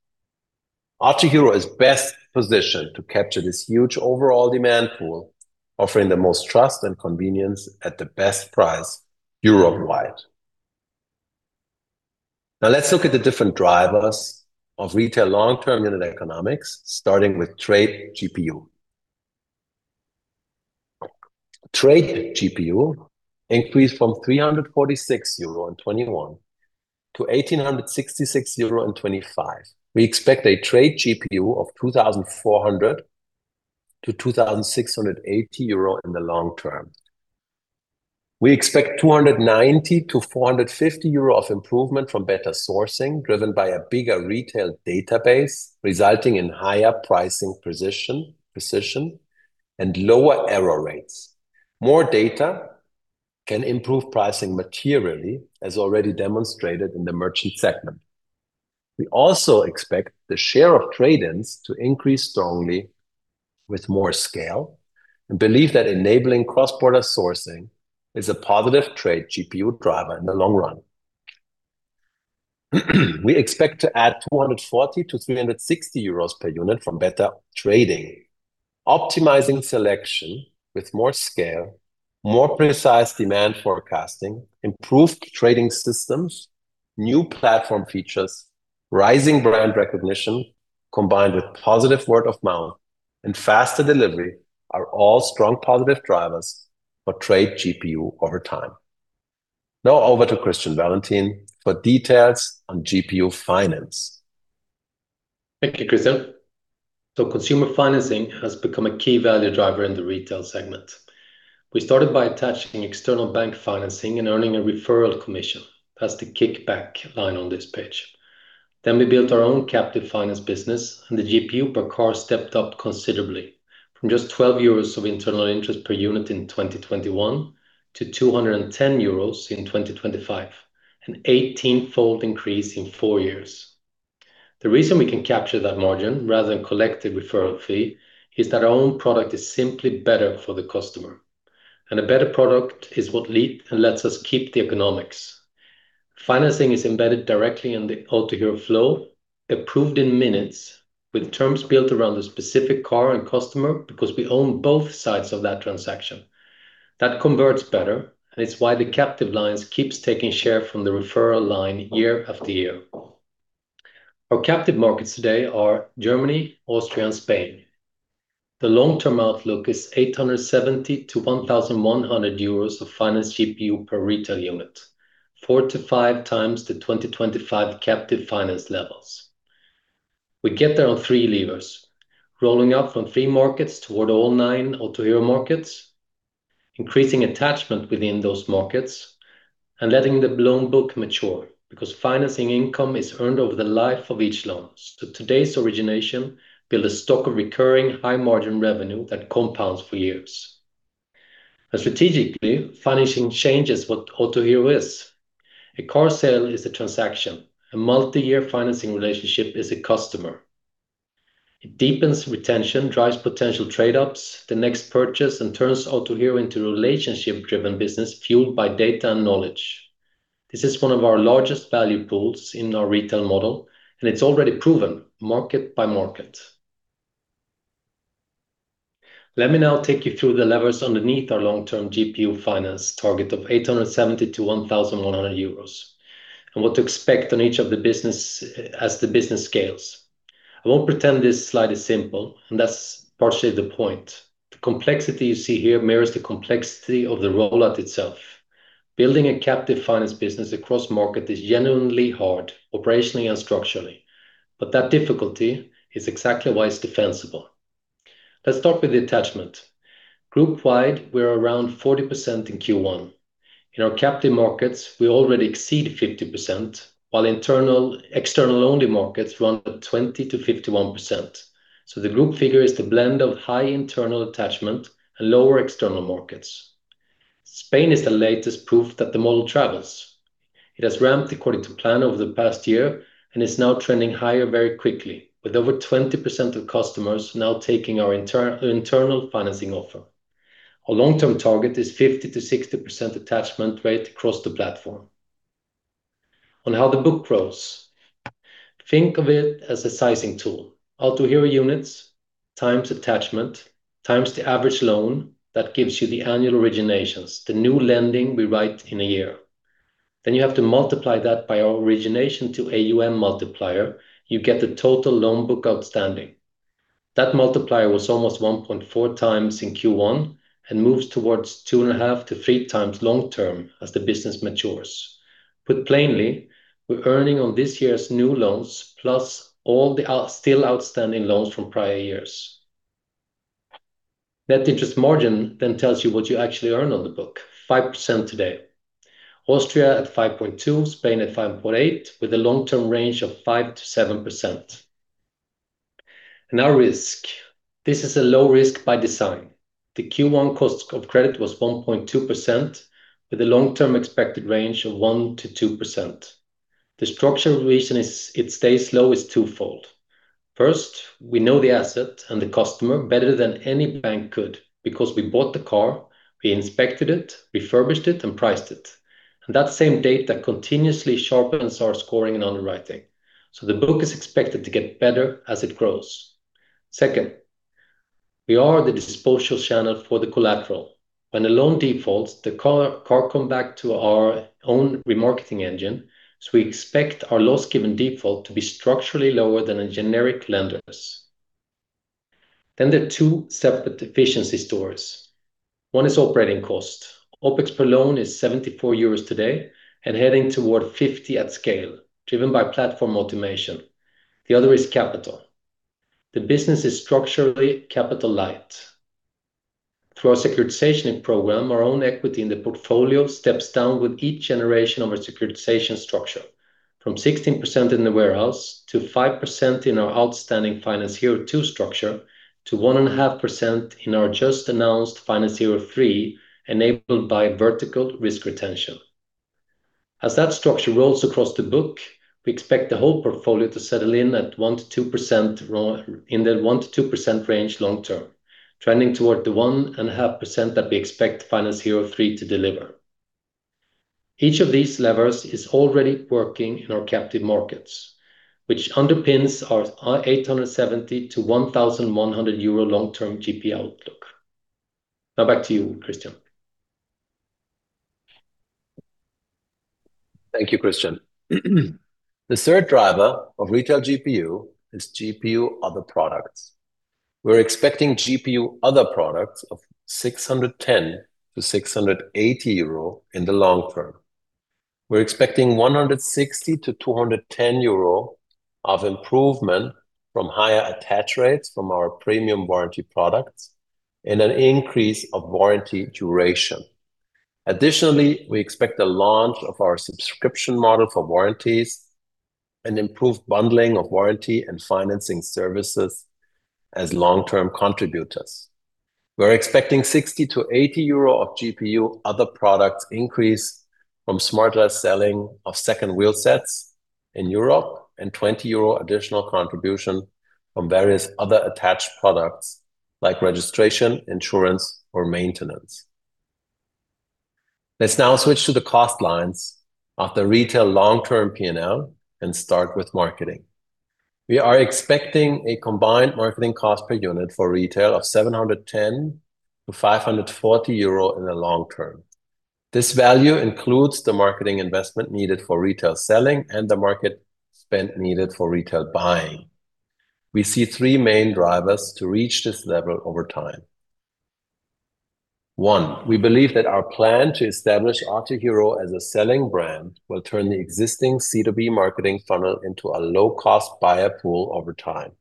AUTO1 Group is best positioned to capture this huge overall demand pool, offering the most trust and convenience at the best price Europe-wide. Now let's look at the different drivers of retail long-term unit economics, starting with trade GPU. Trade GPU increased from 346 euro in 2021 to 1,866 euro in 2025. We expect a trade GPU of 2,400-2,680 euro in the long term. We expect 290-450 euro of improvement from better sourcing, driven by a bigger retail database, resulting in higher pricing precision and lower error rates. More data can improve pricing materially, as already demonstrated in the merchant segment. We also expect the share of trade-ins to increase strongly with more scale and believe that enabling cross-border sourcing is a positive trade GPU driver in the long run. We expect to add 240-360 euros per unit from better trading, optimizing selection with more scale, more precise demand forecasting, improved trading systems, new platform features, rising brand recognition, combined with positive word of mouth and faster delivery are all strong positive drivers for trade GPU over time. Now over to Christian Wallentin for details on GPU finance. Thank you, Christian. Consumer financing has become a key value driver in the retail segment. We started by attaching external bank financing and earning a referral commission. That's the kickback line on this page. Then we built our own captive finance business, and the GPU per car stepped up considerably from just 12 euros of internal interest per unit in 2021 to 210 euros in 2025, an 18-fold increase in four years. The reason we can capture that margin rather than collect a referral fee is that our own product is simply better for the customer. A better product is what leads and lets us keep the economics. Financing is embedded directly in the Autohero flow, approved in minutes, with terms built around the specific car and customer because we own both sides of that transaction. That converts better, it's why the captive lines keeps taking share from the referral line year after year. Our captive markets today are Germany, Austria, and Spain. The long-term outlook is 870-1,100 euros of finance GPU per retail unit, 4 to 5 times the 2025 captive finance levels. We get there on three levers, rolling out from three markets toward all nine Autohero markets, increasing attachment within those markets, and letting the loan book mature because financing income is earned over the life of each loan. Today's origination build a stock of recurring high margin revenue that compounds for years. Strategically, financing changes what Autohero is. A car sale is a transaction, a multi-year financing relationship is a customer. It deepens retention, drives potential trade-ups, the next purchase, and turns Autohero into a relationship-driven business fueled by data and knowledge. This is one of our largest value pools in our retail model, it's already proven market by market. Let me now take you through the levers underneath our long-term GPU finance target of 870-1,100 euros and what to expect on each of the business as the business scales. I won't pretend this slide is simple, that's partially the point. The complexity you see here mirrors the complexity of the rollout itself. Building a captive finance business across market is genuinely hard, operationally and structurally. That difficulty is exactly why it's defensible. Let's start with the attachment. Group-wide, we're around 40% in Q1. In our captive markets, we already exceed 50%, while external-only markets run at 20%-51%. The group figure is the blend of high internal attachment and lower external markets. Spain is the latest proof that the model travels. It has ramped according to plan over the past year, is now trending higher very quickly, with over 20% of customers now taking our internal financing offer. Our long-term target is 50%-60% attachment rate across the platform. On how the book grows, think of it as a sizing tool. Autohero units times attachment times the average loan, that gives you the annual originations, the new lending we write in a year. You have to multiply that by our origination to AUM multiplier, you get the total loan book outstanding. That multiplier was almost 1.4x in Q1 and moves towards 2.5 to 3 times long term as the business matures. Put plainly, we're earning on this year's new loans plus all the still outstanding loans from prior years. Net interest margin then tells you what you actually earn on the book, 5% today. Austria at 5.2%, Spain at 5.8%, with a long-term range of 5%-7%. Our risk, this is a low risk by design. The Q1 cost of credit was 1.2% with a long-term expected range of 1%-2%. The structural reason it stays low is twofold. First, we know the asset and the customer better than any bank could because we bought the car, we inspected it, refurbished it, and priced it. That same data continuously sharpens our scoring and underwriting. The book is expected to get better as it grows. Second, we are the disposal channel for the collateral. When a loan defaults, the car come back to our own remarketing engine, so we expect our loss given default to be structurally lower than a generic lender's. The two separate efficiency stories. One is operating cost. OpEx per loan is 74 euros today and heading toward 50 at scale, driven by platform automation. The other is capital. The business is structurally capital light. Through our securitization program, our own equity in the portfolio steps down with each generation of a securitization structure, from 16% in the warehouse to 5% in our outstanding FinanceHero 2 structure, to 1.5% in our just announced FinanceHero 3, enabled by vertical risk retention. As that structure rolls across the book, we expect the whole portfolio to settle in at 1%-2% range long term, trending toward the 1.5% that we expect FinanceHero 3 to deliver. Each of these levers is already working in our captive markets, which underpins our 870 to 1,100 euro long-term GPU outlook. Now back to you, Christian. Thank you, Christian. The third driver of retail GPU is GPU other products. We're expecting GPU other products of 610-680 euro in the long term. We're expecting 160-210 euro of improvement from higher attach rates from our premium warranty products and an increase of warranty duration. Additionally, we expect the launch of our subscription model for warranties and improved bundling of warranty and financing services as long-term contributors. We're expecting 60-80 euro of GPU other products increase from smarter selling of second wheel sets in Europe and 20 euro additional contribution from various other attached products like registration, insurance, or maintenance. Let's now switch to the cost lines of the retail long-term P&L and start with marketing. We are expecting a combined marketing cost per unit for retail of 710-540 euro in the long term. This value includes the marketing investment needed for retail selling and the market spend needed for retail buying. We see three main drivers to reach this level over time. One, we believe that our plan to establish Autohero as a selling brand will turn the existing C2B marketing funnel into a low-cost buyer pool over time.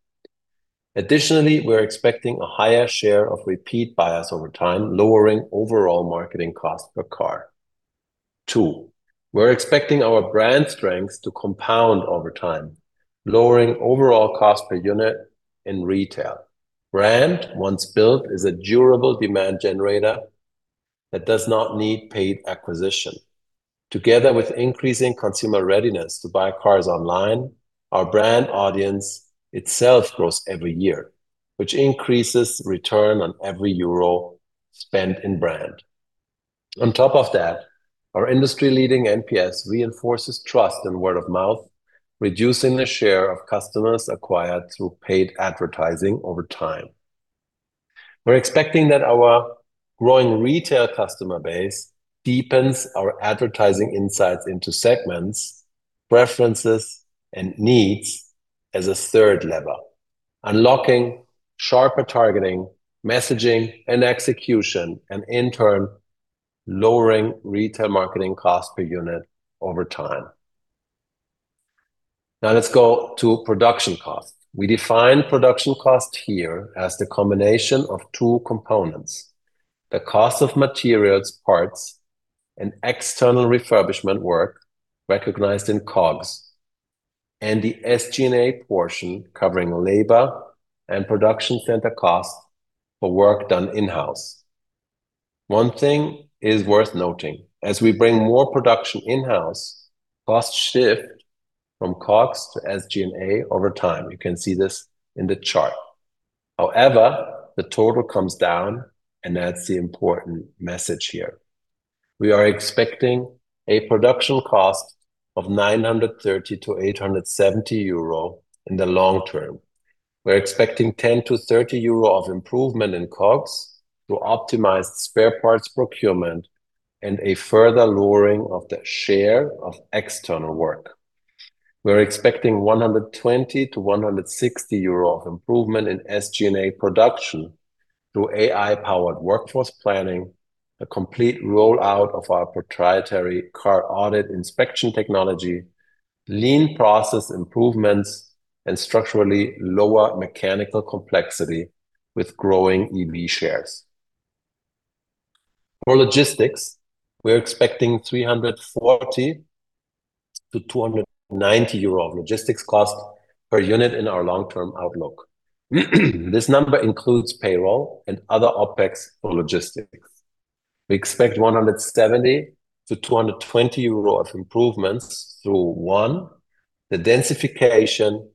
Additionally, we're expecting a higher share of repeat buyers over time, lowering overall marketing cost per car. Two, we're expecting our brand strengths to compound over time, lowering overall cost per unit in retail. Brand, once built, is a durable demand generator that does not need paid acquisition. Together with increasing consumer readiness to buy cars online, our brand audience itself grows every year, which increases return on every EUR spent in brand. On top of that, our industry-leading NPS reinforces trust and word of mouth, reducing the share of customers acquired through paid advertising over time. We're expecting that our growing retail customer base deepens our advertising insights into segments, preferences, and needs as a third level, unlocking sharper targeting, messaging, and execution, and in turn, lowering retail marketing cost per unit over time. Now let's go to production cost. We define production cost here as the combination of two components, the cost of materials, parts, and external refurbishment work recognized in COGS, and the SG&A portion covering labor and production center cost for work done in-house. One thing is worth noting. As we bring more production in-house, costs shift from COGS to SG&A over time. You can see this in the chart. However, the total comes down, and that's the important message here. We are expecting a production cost of 930-870 euro in the long term. We're expecting 10-30 euro of improvement in COGS through optimized spare parts procurement and a further lowering of the share of external work. We're expecting 120-160 euro of improvement in SG&A production through AI-powered workforce planning, a complete rollout of our proprietary car audit inspection technology, lean process improvements, and structurally lower mechanical complexity with growing EV shares. For logistics, we're expecting 340-290 euro of logistics cost per unit in our long-term outlook. This number includes payroll and other OpEx for logistics. We expect 170-220 euro of improvements through, one, the densification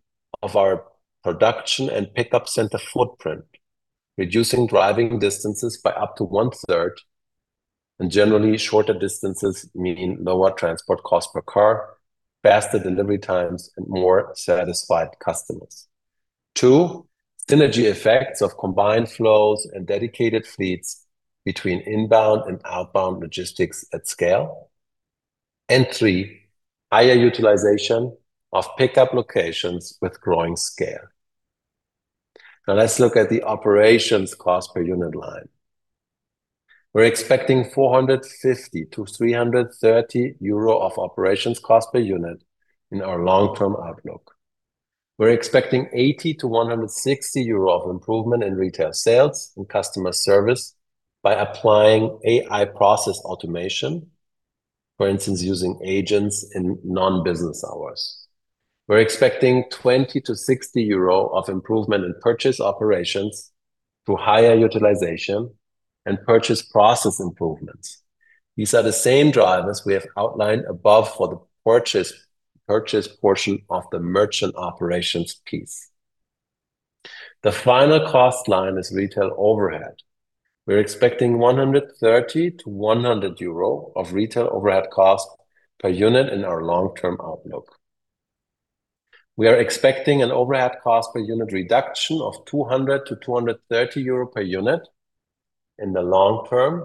of our production and pickup center footprint, reducing driving distances by up to one-third, and generally shorter distances mean lower transport cost per car, faster delivery times, and more satisfied customers. Two, synergy effects of combined flows and dedicated fleets between inbound and outbound logistics at scale. Three, higher utilization of pickup locations with growing scale. Now let's look at the operations cost per unit line. We're expecting 450-330 euro of operations cost per unit in our long-term outlook. We're expecting 80-160 euro of improvement in retail sales and customer service by applying AI process automation, for instance, using agents in non-business hours. We're expecting 20-60 euro of improvement in purchase operations through higher utilization and purchase process improvements. These are the same drivers we have outlined above for the purchase portion of the merchant operations piece. The final cost line is retail overhead. We're expecting 130-100 euro of retail overhead cost per unit in our long-term outlook. We are expecting an overhead cost per unit reduction of 200-230 euro per unit in the long term.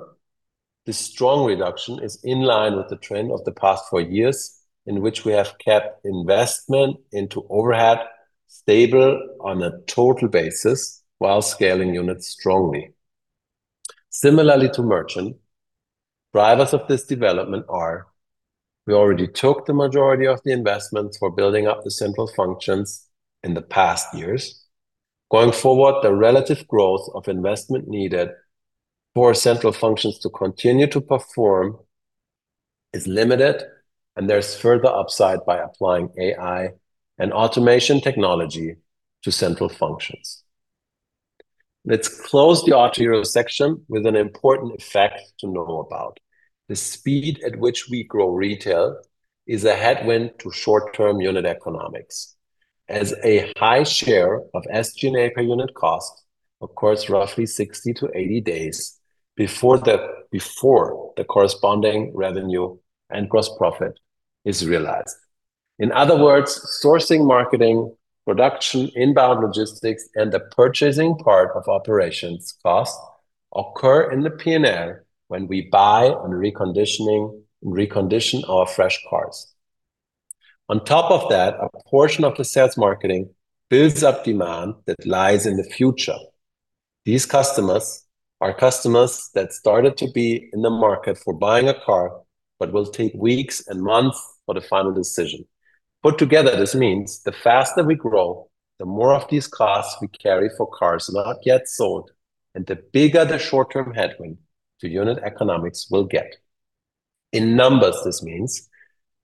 This strong reduction is in line with the trend of the past four years in which we have kept investment into overhead stable on a total basis while scaling units strongly. Similarly to merchant, drivers of this development are, we already took the majority of the investments for building up the central functions in the past years. Going forward, the relative growth of investment needed for central functions to continue to perform is limited, and there's further upside by applying AI and automation technology to central functions. Let's close the Autohero section with an important effect to know about. The speed at which we grow retail is a headwind to short-term unit economics, as a high share of SG&A per unit cost occurs roughly 60-80 days before the corresponding revenue and gross profit is realized. In other words, sourcing, marketing, production, inbound logistics, and the purchasing part of operations costs occur in the P&L when we buy and recondition our fresh cars. On top of that, a portion of the sales marketing builds up demand that lies in the future. These customers are customers that started to be in the market for buying a car but will take weeks and months for the final decision. Put together, this means the faster we grow, the more of these costs we carry for cars not yet sold, and the bigger the short-term headwind to unit economics will get. In numbers, this means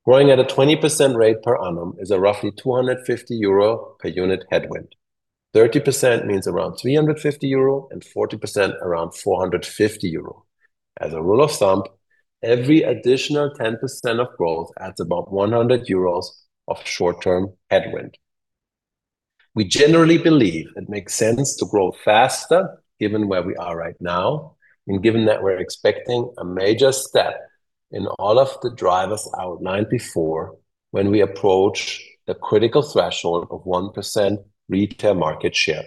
growing at a 20% rate per annum is a roughly 250 euro per unit headwind. 30% means around 350 euro and 40% around 450 euro. As a rule of thumb, every additional 10% of growth adds about 100 euros of short-term headwind. We generally believe it makes sense to grow faster given where we are right now, and given that we're expecting a major step in all of the drivers outlined before when we approach the critical threshold of 1% retail market share.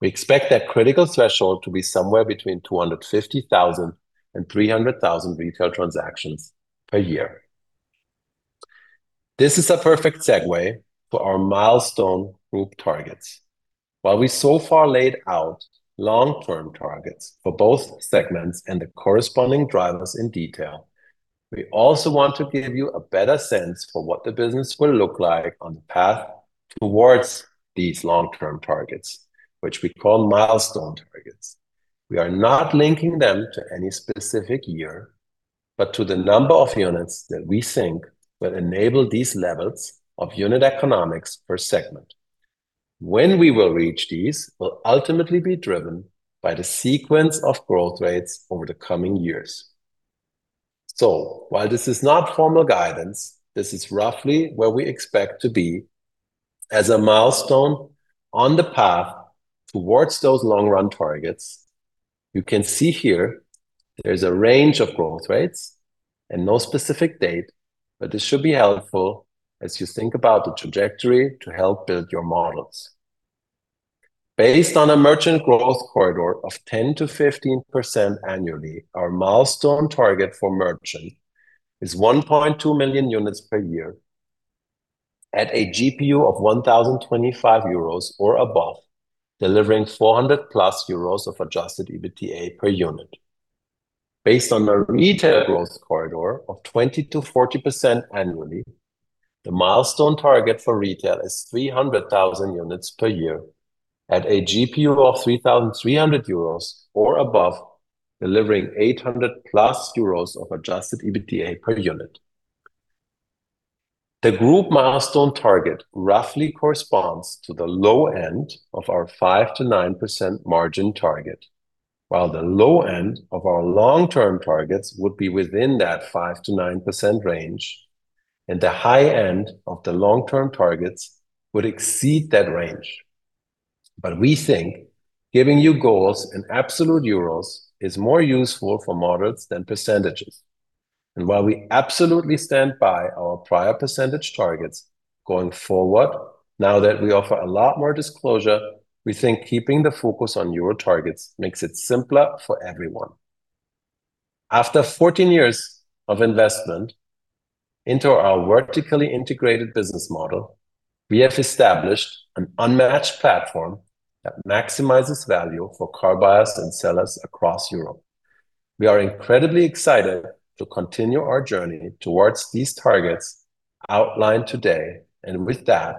We expect that critical threshold to be somewhere between 250,000 and 300,000 retail transactions per year. This is a perfect segue for our milestone group targets. While we so far laid out long-term targets for both segments and the corresponding drivers in detail, we also want to give you a better sense for what the business will look like on the path towards these long-term targets, which we call milestone targets. We are not linking them to any specific year, but to the number of units that we think will enable these levels of unit economics per segment. When we will reach these will ultimately be driven by the sequence of growth rates over the coming years. While this is not formal guidance, this is roughly where we expect to be as a milestone on the path towards those long-run targets. You can see here there's a range of growth rates and no specific date, but this should be helpful as you think about the trajectory to help build your models. Based on a merchant growth corridor of 10%-15% annually, our milestone target for merchant is 1.2 million units per year at a GPU of 1,025 euros or above, delivering 400+ euros of adjusted EBITDA per unit. Based on a retail growth corridor of 20%-40% annually, the milestone target for retail is 300,000 units per year at a GPU of 3,300 euros or above, delivering 800+ euros of adjusted EBITDA per unit. The group milestone target roughly corresponds to the low end of our 5%-9% margin target, while the low end of our long-term targets would be within that 5%-9% range, and the high end of the long-term targets would exceed that range. We think giving you goals in absolute EUR is more useful for models than percentages. While we absolutely stand by our prior percentage targets going forward, now that we offer a lot more disclosure, we think keeping the focus on EUR targets makes it simpler for everyone. After 14 years of investment into our vertically integrated business model, we have established an unmatched platform that maximizes value for car buyers and sellers across Europe. We are incredibly excited to continue our journey towards these targets outlined today, and with that,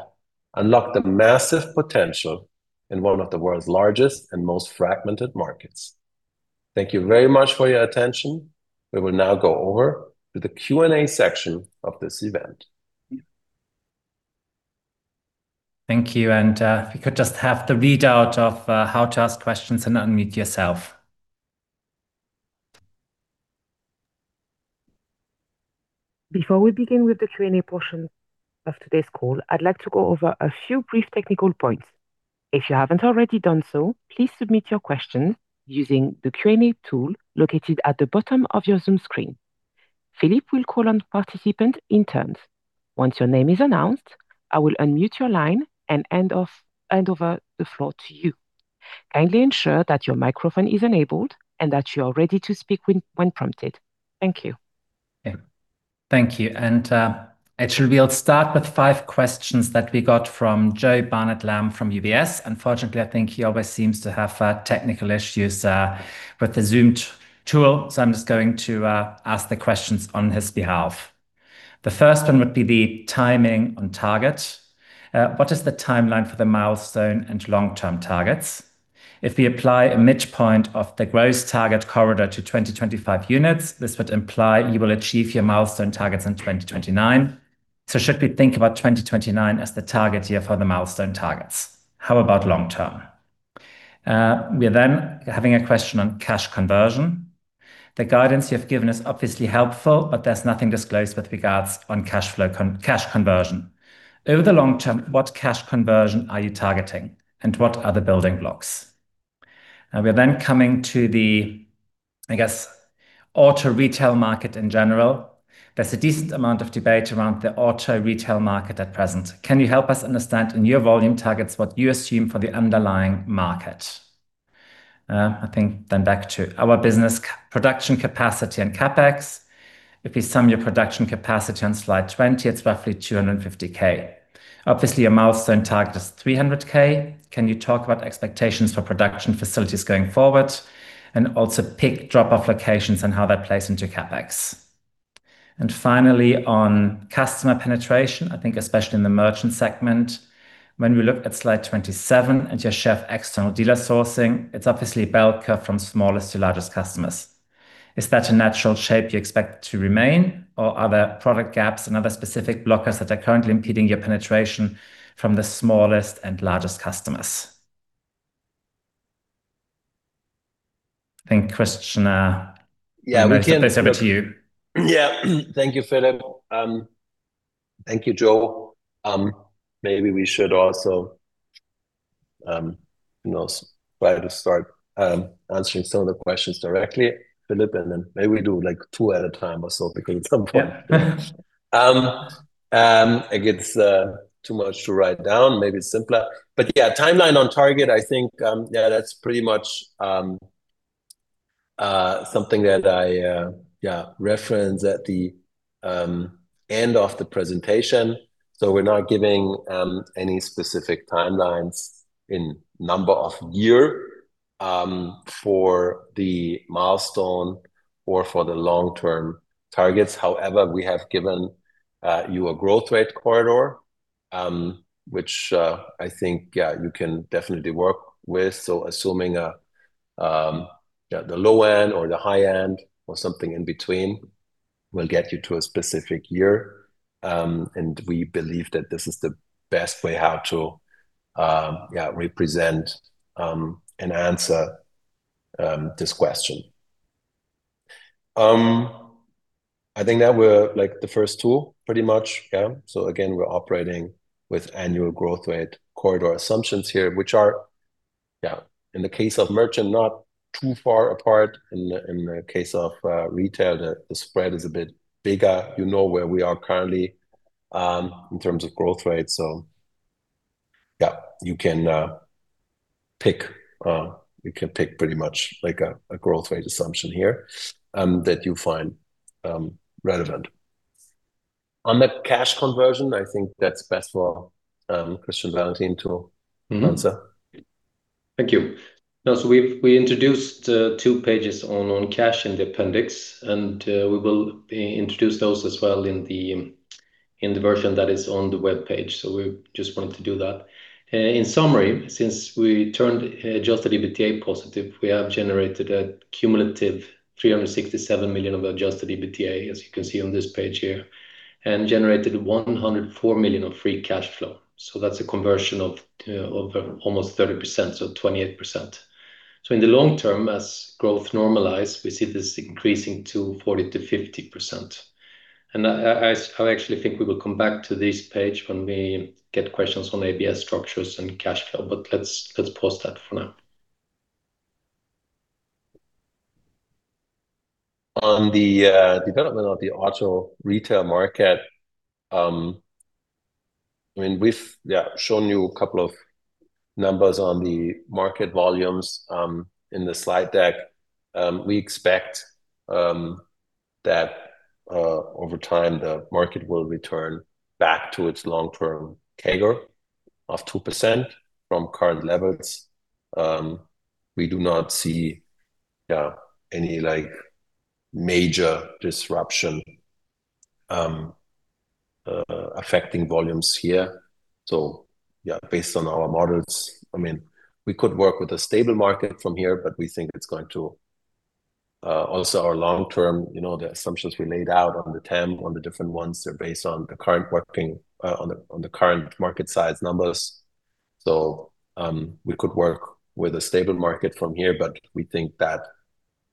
unlock the massive potential in one of the world's largest and most fragmented markets. Thank you very much for your attention. We will now go over to the Q&A section of this event. Thank you. If we could just have the readout of how to ask questions and unmute yourself. Before we begin with the Q&A portion of today's call, I'd like to go over a few brief technical points. If you haven't already done so, please submit your questions using the Q&A tool located at the bottom of your Zoom screen. Philip will call on participants in turn. Once your name is announced, I will unmute your line and hand over the floor to you. Kindly ensure that your microphone is enabled and that you are ready to speak when prompted. Thank you. Okay. Thank you. Actually, we'll start with five questions that we got from [Joe Barnett-Lam] from UBS. Unfortunately, I think he always seems to have technical issues with the Zoom tool, so I'm just going to ask the questions on his behalf. The first one would be the timing on target. What is the timeline for the milestone and long-term targets? If we apply a midpoint of the growth target corridor to 2025 units, this would imply you will achieve your milestone targets in 2029. Should we think about 2029 as the target year for the milestone targets? How about long term? We are having a question on cash conversion. The guidance you have given is obviously helpful, there's nothing disclosed with regards on cash conversion. Over the long term, what cash conversion are you targeting and what are the building blocks? We are coming to the, I guess, auto retail market in general. There's a decent amount of debate around the auto retail market at present. Can you help us understand, in your volume targets, what you assume for the underlying market? I think back to our business production capacity and CapEx. If you sum your production capacity on slide 20, it's roughly 250,000. Obviously, your milestone target is 300K. Can you talk about expectations for production facilities going forward and also peak drop-off locations and how that plays into CapEx? Finally, on customer penetration, I think especially in the merchant segment, when we look at slide 27 and your share of external dealer sourcing, it's obviously bell curve from smallest to largest customers. Is that a natural shape you expect to remain or are there product gaps and other specific blockers that are currently impeding your penetration from the smallest and largest customers? Yeah. I'll pass over to you. Yeah. Thank you, Philip. Thank you, Joe. Maybe we should also try to start answering some of the questions directly, Philip, and then maybe we do two at a time or so because at some point it gets too much to write down. Maybe simpler. Yeah, timeline on target, I think, yeah, that's pretty much something that I referenced at the end of the presentation. We're not giving any specific timelines in number of year for the milestone or for the long-term targets. However, we have given you a growth rate corridor, which I think, yeah, you can definitely work with. Assuming the low end or the high end or something in between will get you to a specific year, and we believe that this is the best way how to represent and answer this question. I think that we're the first two pretty much, yeah. Again, we're operating with annual growth rate corridor assumptions here, which are in the case of merchant, not too far apart. In the case of retail, the spread is a bit bigger. You know where we are currently in terms of growth rate. You can pick pretty much a growth rate assumption here that you find relevant. On the cash conversion, I think that's best for Christian Wallentin to answer. Thank you. We introduced two pages on cash in the appendix, we will introduce those as well in the version that is on the webpage. We just wanted to do that. In summary, since we turned adjusted EBITDA positive, we have generated a cumulative 367 million of adjusted EBITDA, as you can see on this page here, and generated 104 million of free cash flow. That's a conversion of almost 30%, 28%. In the long term, as growth normalize, we see this increasing to 40%-50%. I actually think we will come back to this page when we get questions on ABS structures and cash flow, but let's pause that for now. On the development of the auto retail market, we've shown you a couple of numbers on the market volumes in the slide deck. We expect that over time, the market will return back to its long-term CAGR of 2% from current levels. We do not see any major disruption affecting volumes here. Based on our models, we could work with a stable market from here, but we think Also our long term, the assumptions we laid out on the TAM, on the different ones, they're based on the current market size numbers. We could work with a stable market from here, but we think that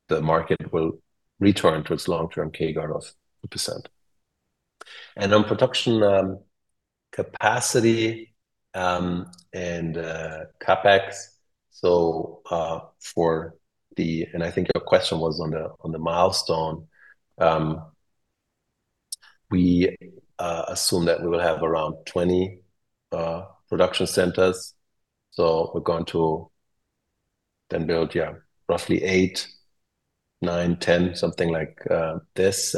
the market will return to its long-term CAGR of 2%. On production capacity and CapEx, I think your question was on the milestone, we assume that we will have around 20 production centers. We're going to then build, roughly eight, nine, 10, something like this.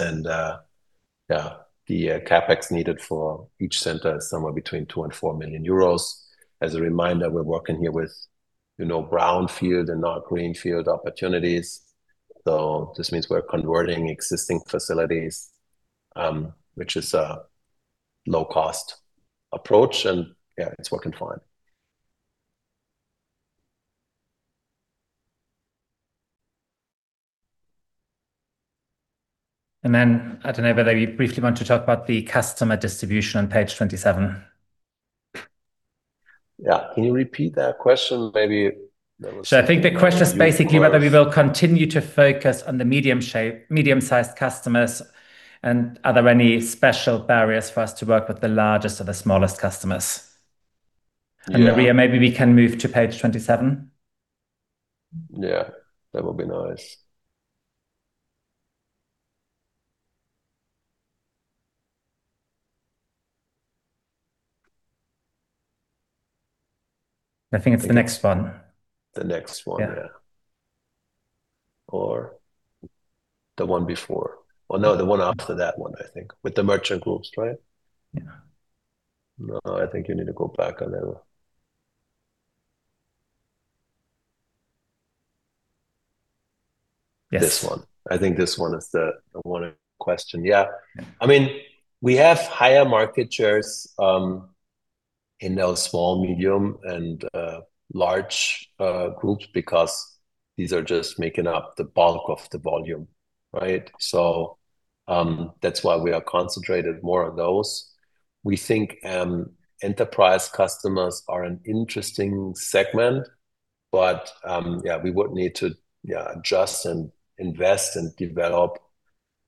The CapEx needed for each center is somewhere between 2 million and 4 million euros. As a reminder, we're working here with brownfield and not greenfield opportunities. This means we're converting existing facilities, which is a low-cost approach. It's working fine. I don't know whether we briefly want to talk about the customer distribution on page 27. Yeah. Can you repeat that question? I think the question is basically whether we will continue to focus on the medium-sized customers, and are there any special barriers for us to work with the largest or the smallest customers? Yeah. Maybe we can move to page 27. Yeah. That would be nice. I think it's the next one. The next one, yeah. Yeah. The one before. Oh, no, the one after that one, I think. With the merchant groups, right? Yeah. I think you need to go back a little. Yes. This one. I think this one is the one in question. Yeah. We have higher market shares in those small, medium, and large groups because these are just making up the bulk of the volume, right? That's why we are concentrated more on those. We think enterprise customers are an interesting segment. Yeah, we would need to adjust and invest and develop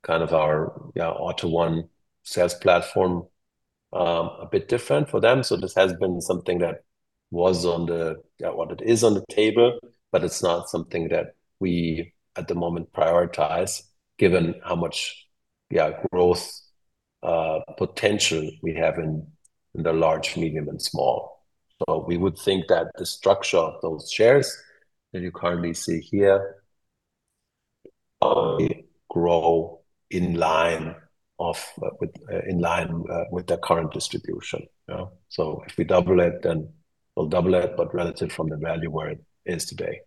our AUTO1 sales platform a bit different for them. This has been something that is on the table, but it's not something that we, at the moment, prioritize, given how much growth potential we have in the large, medium, and small. We would think that the structure of those shares that you currently see here probably grow in line with the current distribution. Yeah. If we double it, then we'll double it, but relative from the value where it is today.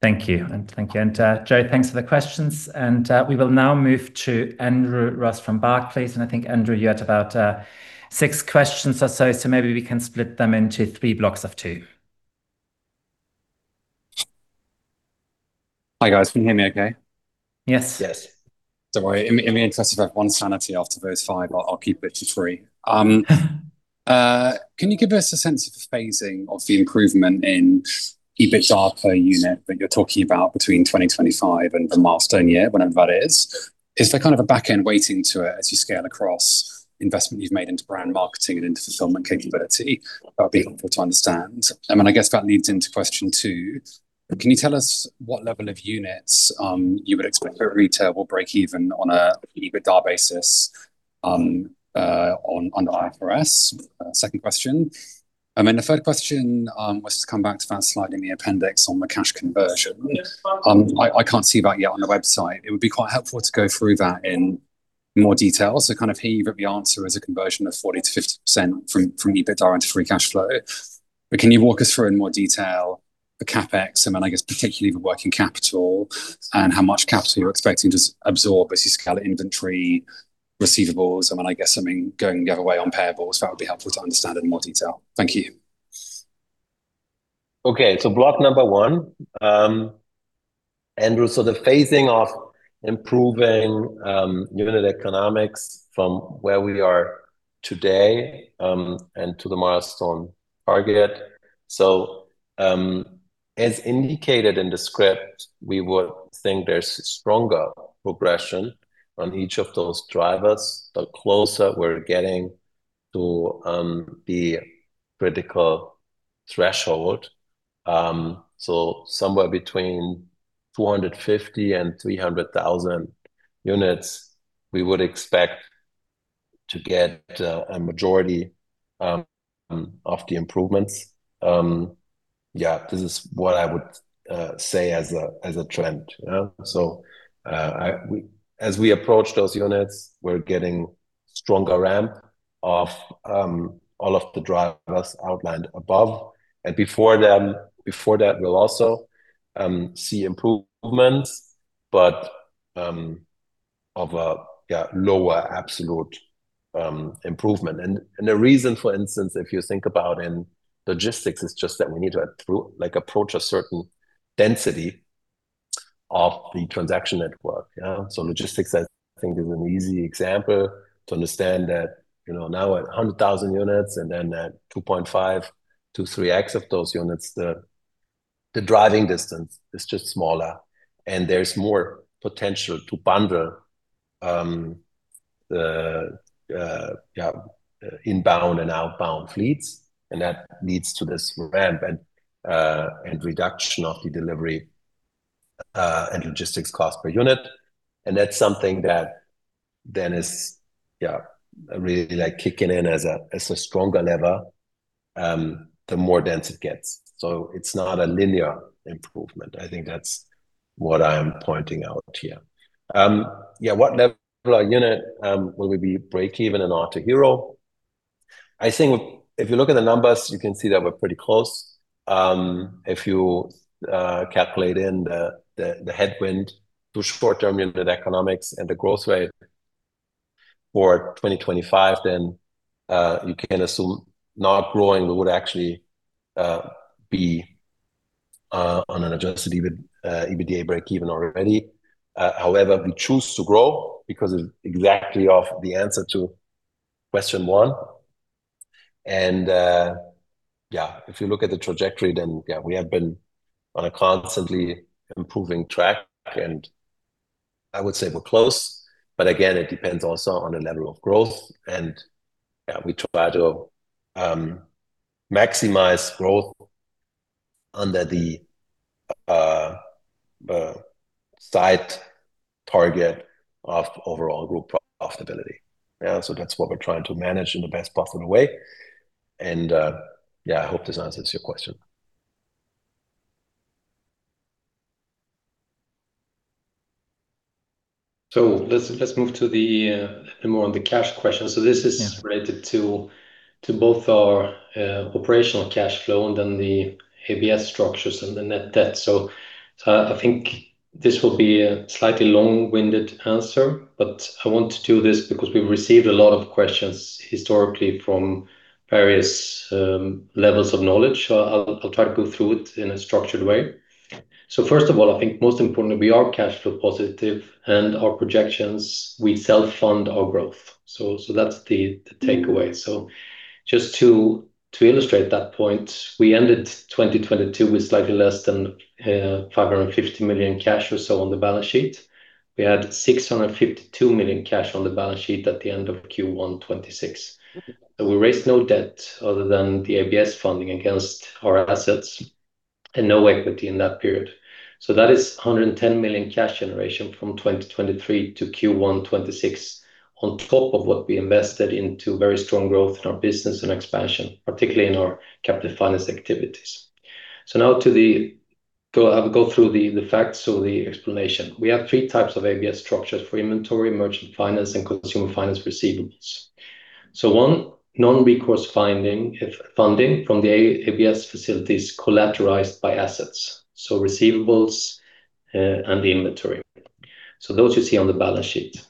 Thank you. Thank you. Joe, thanks for the questions. We will now move to Andrew Ross from Barclays. I think, Andrew, you had about six questions or so, maybe we can split them into three blocks of two. Hi, guys. Can you hear me okay? Yes. Yes. Don't worry. In the interest of one's sanity after those 5, I'll keep it to three. Can you give us a sense of the phasing of the improvement in EBITDA per unit that you're talking about between 2025 and the milestone year, whenever that is? Is there kind of a back-end weighting to it as you scale across investment you've made into brand marketing and into fulfillment capability? That would be helpful to understand. I guess that leads into question two. Can you tell us what level of units you would expect per retailer will break even on an EBITDA basis under IFRS? Second question. The third question was to come back to that slide in the appendix on the cash conversion. I can't see that yet on the website. It would be quite helpful to go through that in more detail. Here you wrote the answer as a conversion of 40%-50% from EBITDA into free cash flow. Can you walk us through in more detail the CapEx, particularly the working capital and how much capital you're expecting to absorb as you scale the inventory receivables, something going the other way on payables? That would be helpful to understand in more detail. Thank you. Okay. Block number one. Andrew, the phasing of improving unit economics from where we are today, and to the milestone target. As indicated in the script, we would think there's stronger progression on each of those drivers the closer we're getting to the critical threshold. Somewhere between 250,000 and 300,000 units, we would expect to get a majority of the improvements. This is what I would say as a trend. As we approach those units, we're getting stronger ramp of all of the drivers outlined above. Before that, we'll also see improvements, but of a lower absolute improvement. The reason, for instance, if you think about in logistics, is just that we need to approach a certain density of the transaction network. Logistics I think is an easy example to understand that now we're at 100,000 units, and then at 2.5x to 3x of those units, the driving distance is just smaller and there's more potential to bundle the inbound and outbound fleets, and that leads to this ramp and reduction of the delivery and logistics cost per unit. That's something that is really kicking in as a stronger lever the more dense it gets. It's not a linear improvement. I think that's what I'm pointing out here. What level of unit will we be break-even in Autohero? I think if you look at the numbers, you can see that we're pretty close. If you calculate in the headwind to short-term unit economics and the growth rate for 2025, you can assume not growing, we would actually be on an adjusted EBITDA break-even already. However, we choose to grow because of exactly of the answer to question one. Yeah, if you look at the trajectory, then yeah, we have been on a constantly improving track and I would say we're close. Again, it depends also on the level of growth and yeah, we try to maximize growth under the side target of overall group profitability. Yeah, that's what we're trying to manage in the best possible way. Yeah, I hope this answers your question. Let's move to the, a bit more on the cash question. This is. Yeah It is related to both our operational cash flow and then the ABS structures and the net debt. I think this will be a slightly long-winded answer, but I want to do this because we've received a lot of questions historically from various levels of knowledge. I'll try to go through it in a structured way. First of all, I think most importantly, we are cash flow positive and our projections, we self-fund our growth. That's the takeaway. Just to illustrate that point, we ended 2022 with slightly less than 550 million cash or so on the balance sheet. We had 652 million cash on the balance sheet at the end of Q1 2026. We raised no debt other than the ABS funding against our assets and no equity in that period. That is 110 million cash generation from 2023 to Q1 2026. This is on top of what we invested into very strong growth in our business and expansion, particularly in our captive finance activities. Now I'll go through the facts or the explanation. We have three types of ABS structures for inventory, merchant finance, and consumer finance receivables. One, non-recourse funding from the ABS facilities collateralized by assets, so receivables, and the inventory. Those you see on the balance sheet.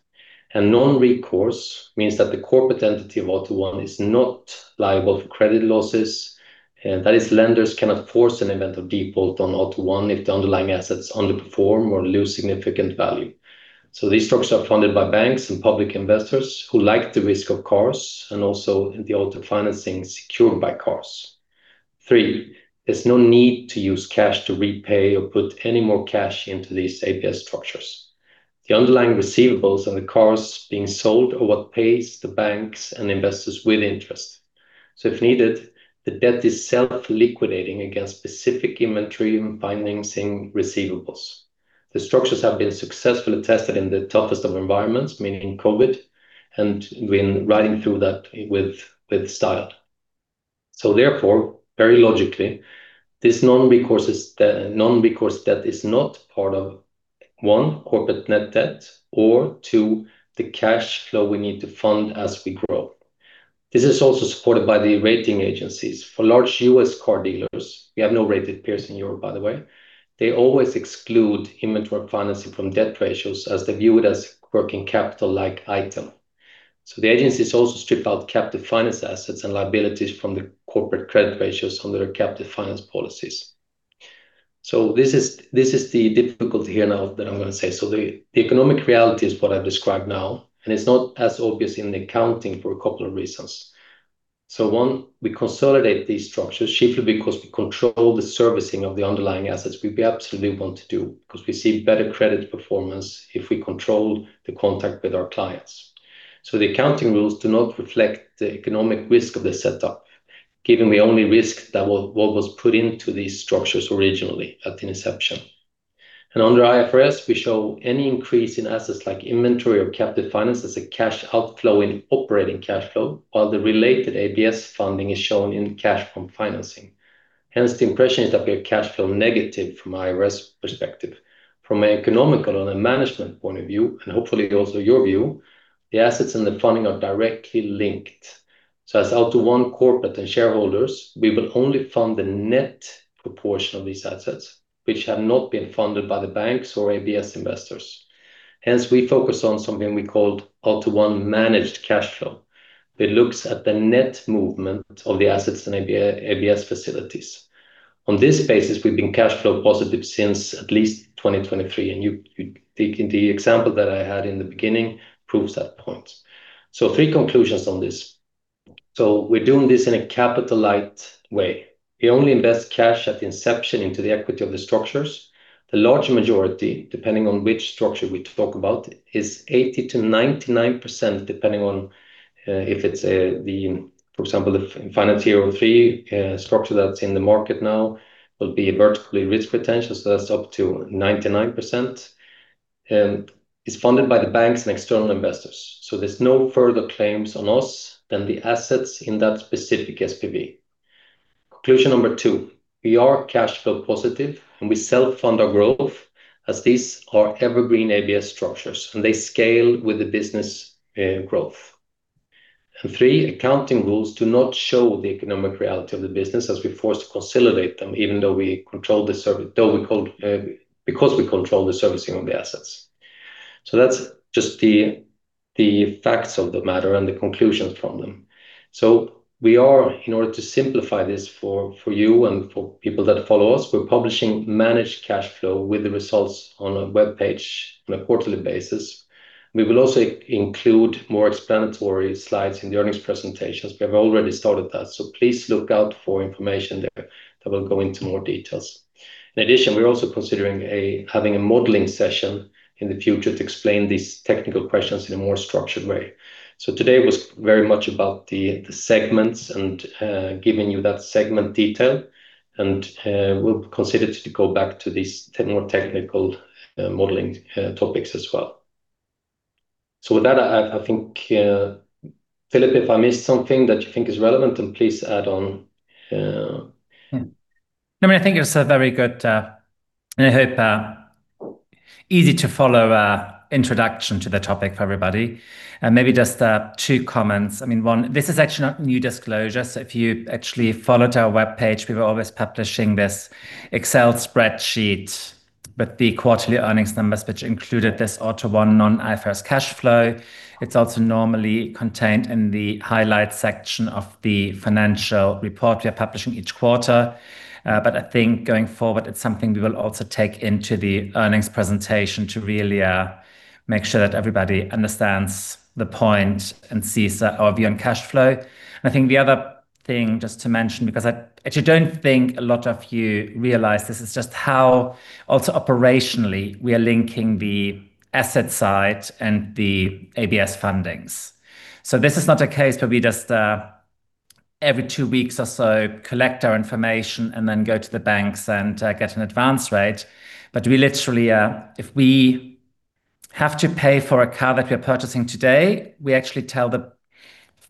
Non-recourse means that the corporate entity of AUTO1 is not liable for credit losses, and that is lenders cannot force an event of default on AUTO1 if the underlying assets underperform or lose significant value. These structures are funded by banks and public investors who like the risk of cars and also in the auto financing secured by cars. There's no need to use cash to repay or put any more cash into these ABS structures. The underlying receivables and the cars being sold are what pays the banks and investors with interest. If needed, the debt is self-liquidating against specific inventory financing receivables. The structures have been successfully tested in the toughest of environments, meaning COVID, and we've been riding through that with style. Therefore, very logically, this non-recourse debt is not part of, one, corporate net debt, or two, the cash flow we need to fund as we grow. This is also supported by the rating agencies. For large U.S. car dealers, we have no rated peers in Europe, by the way, they always exclude inventory financing from debt ratios as they view it as working capital-like item. The agencies also strip out captive finance assets and liabilities from the corporate credit ratios under their captive finance policies. This is the difficulty here now that I'm going to say. The economic reality is what I've described now, and it's not as obvious in the accounting for a couple of reasons. One, we consolidate these structures chiefly because we control the servicing of the underlying assets, which we absolutely want to do because we see better credit performance if we control the contact with our clients. The accounting rules do not reflect the economic risk of the setup, given the only risk that what was put into these structures originally at inception. Under IFRS, we show any increase in assets like inventory or captive finance as a cash outflow in operating cash flow, while the related ABS funding is shown in cash from financing. Hence, the impression is that we are cash flow negative from IFRS perspective. From an economical and a management point of view, and hopefully also your view, the assets and the funding are directly linked. As AUTO1 corporate and shareholders, we will only fund the net proportion of these assets, which have not been funded by the banks or ABS investors. Hence, we focus on something we called AUTO1 Managed Cash Flow. It looks at the net movement of the assets and ABS facilities. On this basis, we've been cash flow positive since at least 2023, and the example that I had in the beginning proves that point. Three conclusions on this. We're doing this in a capital-light way. We only invest cash at the inception into the equity of the structures. The large majority, depending on which structure we talk about, is 80%-99%, depending on, if it's, for example, the FinanceHero 3 structure that's in the market now, will be vertically risk retention, that's up to 99%, is funded by the banks and external investors. There's no further claims on us than the assets in that specific SPV. Conclusion number 2, we are cash flow positive, and we self-fund our growth as these are evergreen ABS structures, and they scale with the business growth. Three, accounting rules do not show the economic reality of the business as we're forced to consolidate them because we control the servicing of the assets. That's just the facts of the matter and the conclusions from them. We are, in order to simplify this for you and for people that follow us, we are publishing Managed Cash Flow with the results on a webpage on a quarterly basis. We will also include more explanatory slides in the earnings presentations. We have already started that, please look out for information there that will go into more details. In addition, we are also considering having a modeling session in the future to explain these technical questions in a more structured way. Today was very much about the segments and giving you that segment detail, we will consider to go back to these more technical modeling topics as well. With that, I think, Philip, if I missed something that you think is relevant, then please add on. No, I think it's a very good, and I hope easy to follow, introduction to the topic for everybody. Maybe just two comments. One, this is actually not new disclosure, if you actually followed our webpage, we were always publishing this Excel spreadsheet with the quarterly earnings numbers, which included this AUTO1 non-IFRS cash flow. It's also normally contained in the highlight section of the financial report we are publishing each quarter. I think going forward, it's something we will also take into the earnings presentation to really make sure that everybody understands the point and sees our view on cash flow. I think the other thing just to mention, because I actually don't think a lot of you realize this, is just how also operationally we are linking the asset side and the ABS fundings. This is not a case where we just every two weeks or so collect our information and then go to the banks and get an advance rate. We literally, if we have to pay for a car that we're purchasing today, we actually tell the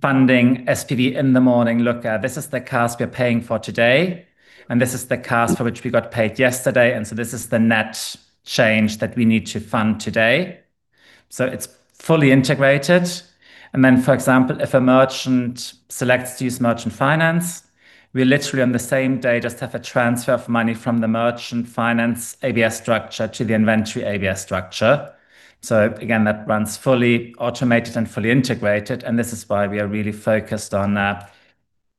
funding SPV in the morning, "Look, this is the cars we are paying for today, this is the cars for which we got paid yesterday, this is the net change that we need to fund today." It's fully integrated. Then, for example, if a merchant selects to use merchant finance, we literally on the same day just have a transfer of money from the merchant finance ABS structure to the inventory ABS structure. Again, that runs fully automated and fully integrated, this is why we are really focused on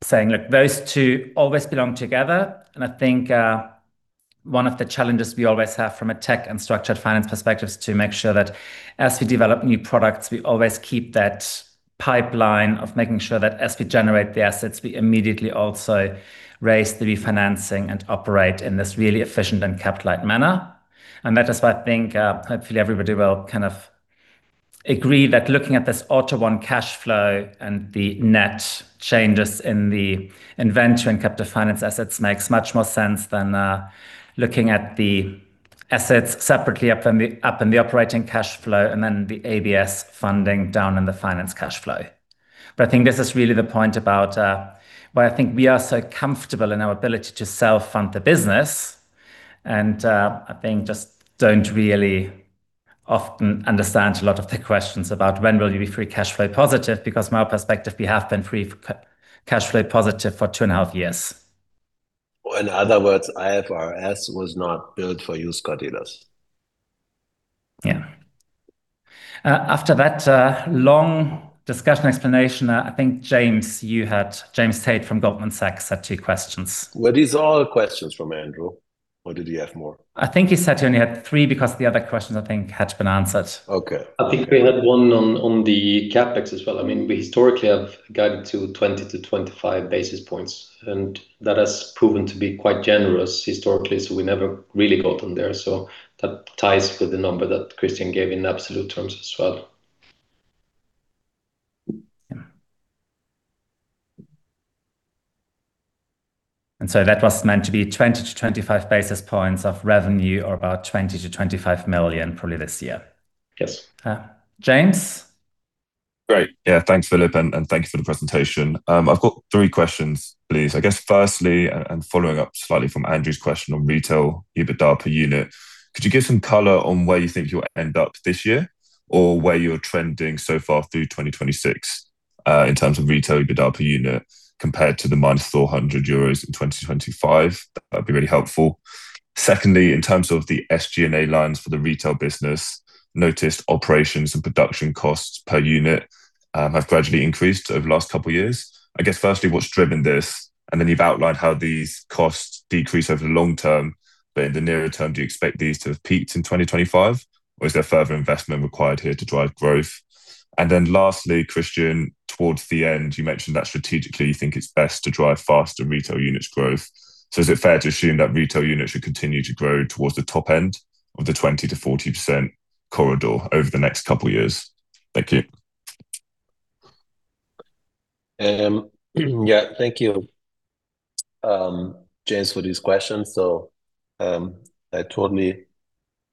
saying, look, those two always belong together. I think one of the challenges we always have from a tech and structured finance perspective is to make sure that as we develop new products, we always keep that pipeline of making sure that as we generate the assets, we immediately also raise the refinancing and operate in this really efficient and capital light manner. That is why I think hopefully everybody will kind of agree that looking at this AUTO1 cash flow and the net changes in the inventory and captive finance assets makes much more sense than looking at the assets separately up in the operating cash flow and then the ABS funding down in the finance cash flow. I think this is really the point about why I think we are so comfortable in our ability to self-fund the business, and I think just don't really often understand a lot of the questions about when will you be free cash flow positive, because from our perspective, we have been free cash flow positive for two and a half years. In other words, IFRS was not built for used car dealers. After that long discussion explanation, I think, James Tate from Goldman Sachs had two questions. Were these all questions from Andrew, or did he have more? I think he said he only had three because the other questions, I think, had been answered. Okay. I think we had one on the CapEx as well. We historically have guided to 20-25 basis points, that has proven to be quite generous historically, we never really got in there. That ties with the number that Christian gave in absolute terms as well. Yeah. That was meant to be 20-25 basis points of revenue or about 20-25 million probably this year. Yes. James? Great. Yeah. Thanks, Philip, and thank you for the presentation. I've got three questions, please. I guess firstly, following up slightly from Andrew's question on retail EBITDA per unit, could you give some color on where you think you'll end up this year, or where you're trending so far through 2026, in terms of retail EBITDA per unit compared to the minus 400 euros in 2025? That'd be really helpful. Secondly, in terms of the SG&A lines for the retail business, noticed operations and production costs per unit have gradually increased over the last couple of years. I guess, firstly, what's driven this? Then you've outlined how these costs decrease over the long term. In the nearer term, do you expect these to have peaked in 2025, or is there further investment required here to drive growth? Lastly, Christian, towards the end, you mentioned that strategically you think it's best to drive faster retail units growth. Is it fair to assume that retail units should continue to grow towards the top end of the 20%-40% corridor over the next couple of years? Thank you. Thank you, James, for these questions. I totally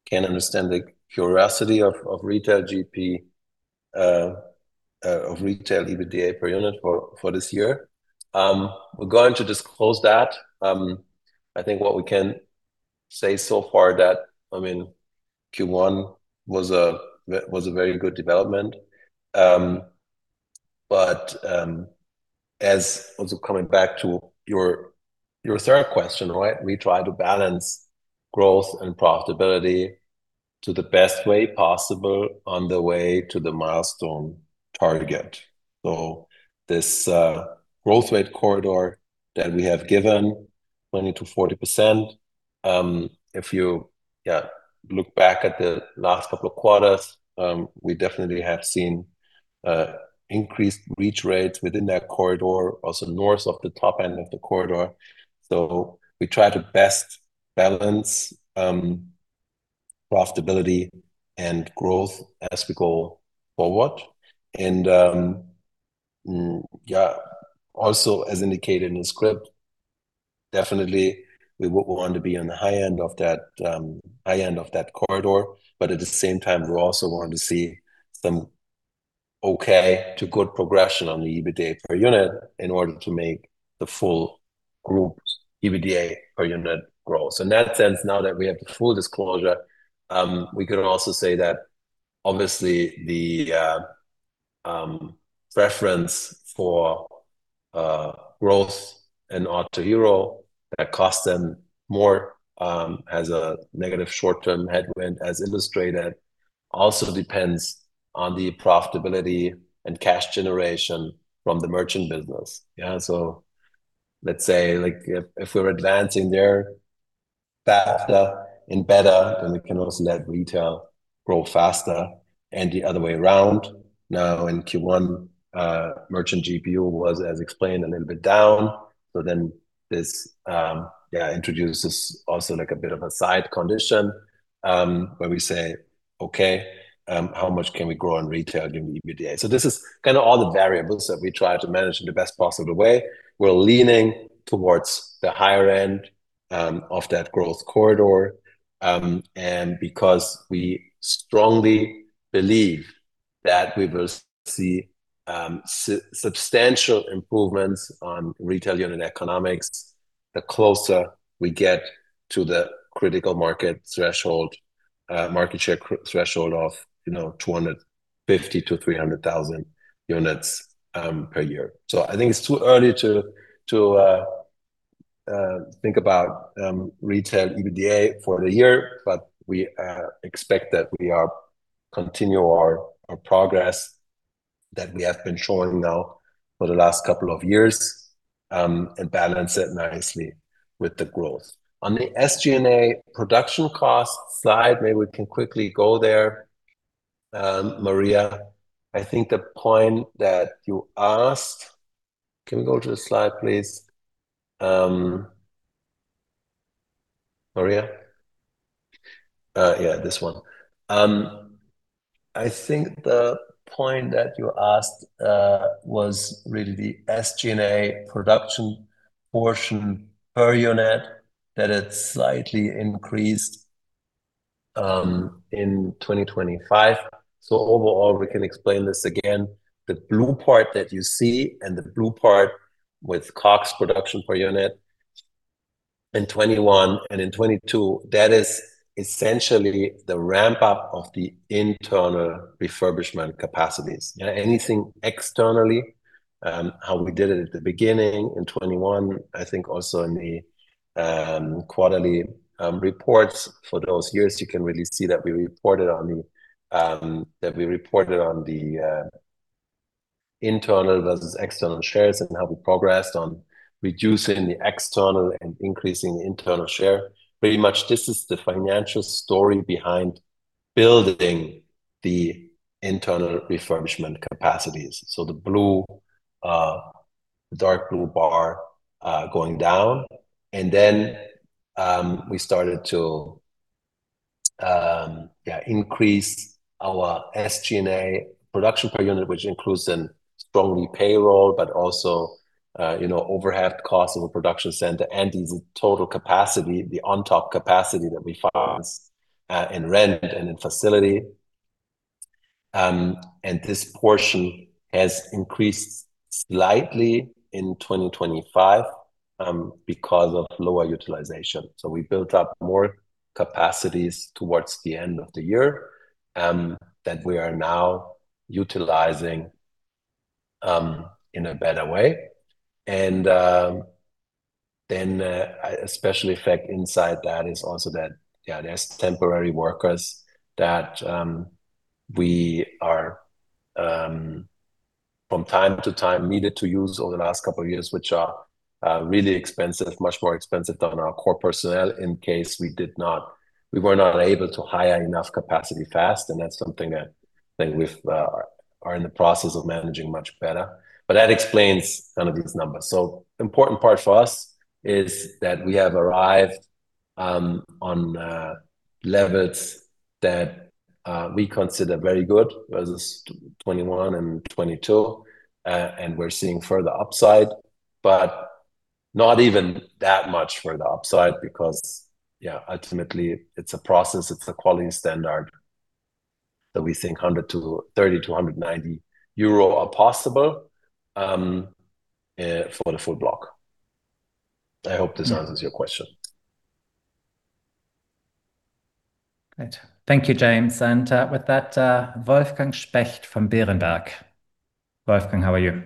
can understand the curiosity of retail GP, of retail EBITDA per unit for this year. We're going to disclose that. I think what we can say so far that Q1 was a very good development. Also coming back to your third question, we try to balance growth and profitability to the best way possible on the way to the milestone target. This growth rate corridor that we have given, 20%-40%. If you look back at the last couple of quarters, we definitely have seen increased reach rates within that corridor, also north of the top end of the corridor. We try to best balance profitability and growth as we go forward. Also as indicated in the script, definitely we would want to be on the high end of that corridor. At the same time, we also want to see some okay to good progression on the EBITDA per unit in order to make the full group's EBITDA per unit grow. In that sense, now that we have the full disclosure, we can also say that obviously the preference for growth in Autohero that cost them more as a negative short-term headwind as illustrated, also depends on the profitability and cash generation from the merchant business. Let's say if we're advancing there faster and better, then we can also let retail grow faster and the other way around. In Q1, merchant GPU was, as explained, a little bit down. This introduces also a bit of a side condition where we say, "Okay how much can we grow in retail during EBITDA?" This is kind of all the variables that we try to manage in the best possible way. We're leaning towards the higher end of that growth corridor because we strongly believe that we will see substantial improvements on retail unit economics the closer we get to the critical market share threshold of 250,000-300,000 units per year. I think it's too early to think about retail EBITDA for the year, but we expect that we are continue our progress that we have been showing now for the last couple of years and balance it nicely with the growth. On the SG&A production cost slide, maybe we can quickly go there. Maria, I think the point that you asked. Can we go to the slide, please? Maria? Yeah, this one. I think the point that you asked was really the SG&A production portion per unit that had slightly increased in 2025. Overall, we can explain this again. The blue part that you see and the blue part with COGS production per unit in 2021 and in 2022, that is essentially the ramp-up of the internal refurbishment capacities. Anything externally, how we did it at the beginning in 2021, I think also in the quarterly reports for those years, you can really see that we reported on the internal versus external shares and how we progressed on reducing the external and increasing internal share. Pretty much this is the financial story behind building the internal refurbishment capacities. The dark blue bar going down. We started to increase our SG&A production per unit, which includes then strongly payroll, but also overhead cost of a production center and the total capacity, the on-top capacity that we finance in rent and in facility. This portion has increased slightly in 2025 because of lower utilization. We built up more capacities towards the end of the year that we are now utilizing in a better way. A special effect inside that is also that there are temporary workers that we are from time to time needed to use over the last couple of years, which are really expensive, much more expensive than our core personnel in case we were not able to hire enough capacity fast. That's something I think we are in the process of managing much better. That explains some of these numbers. Important part for us is that we have arrived on levels that we consider very good versus 2021 and 2022 and we're seeing further upside, but not even that much for the upside because ultimately it's a process, it's a quality standard that we think 130-190 euro are possible for the full block. I hope this answers your question. Great. Thank you, James. With that, Wolfgang Specht from Berenberg. Wolfgang, how are you?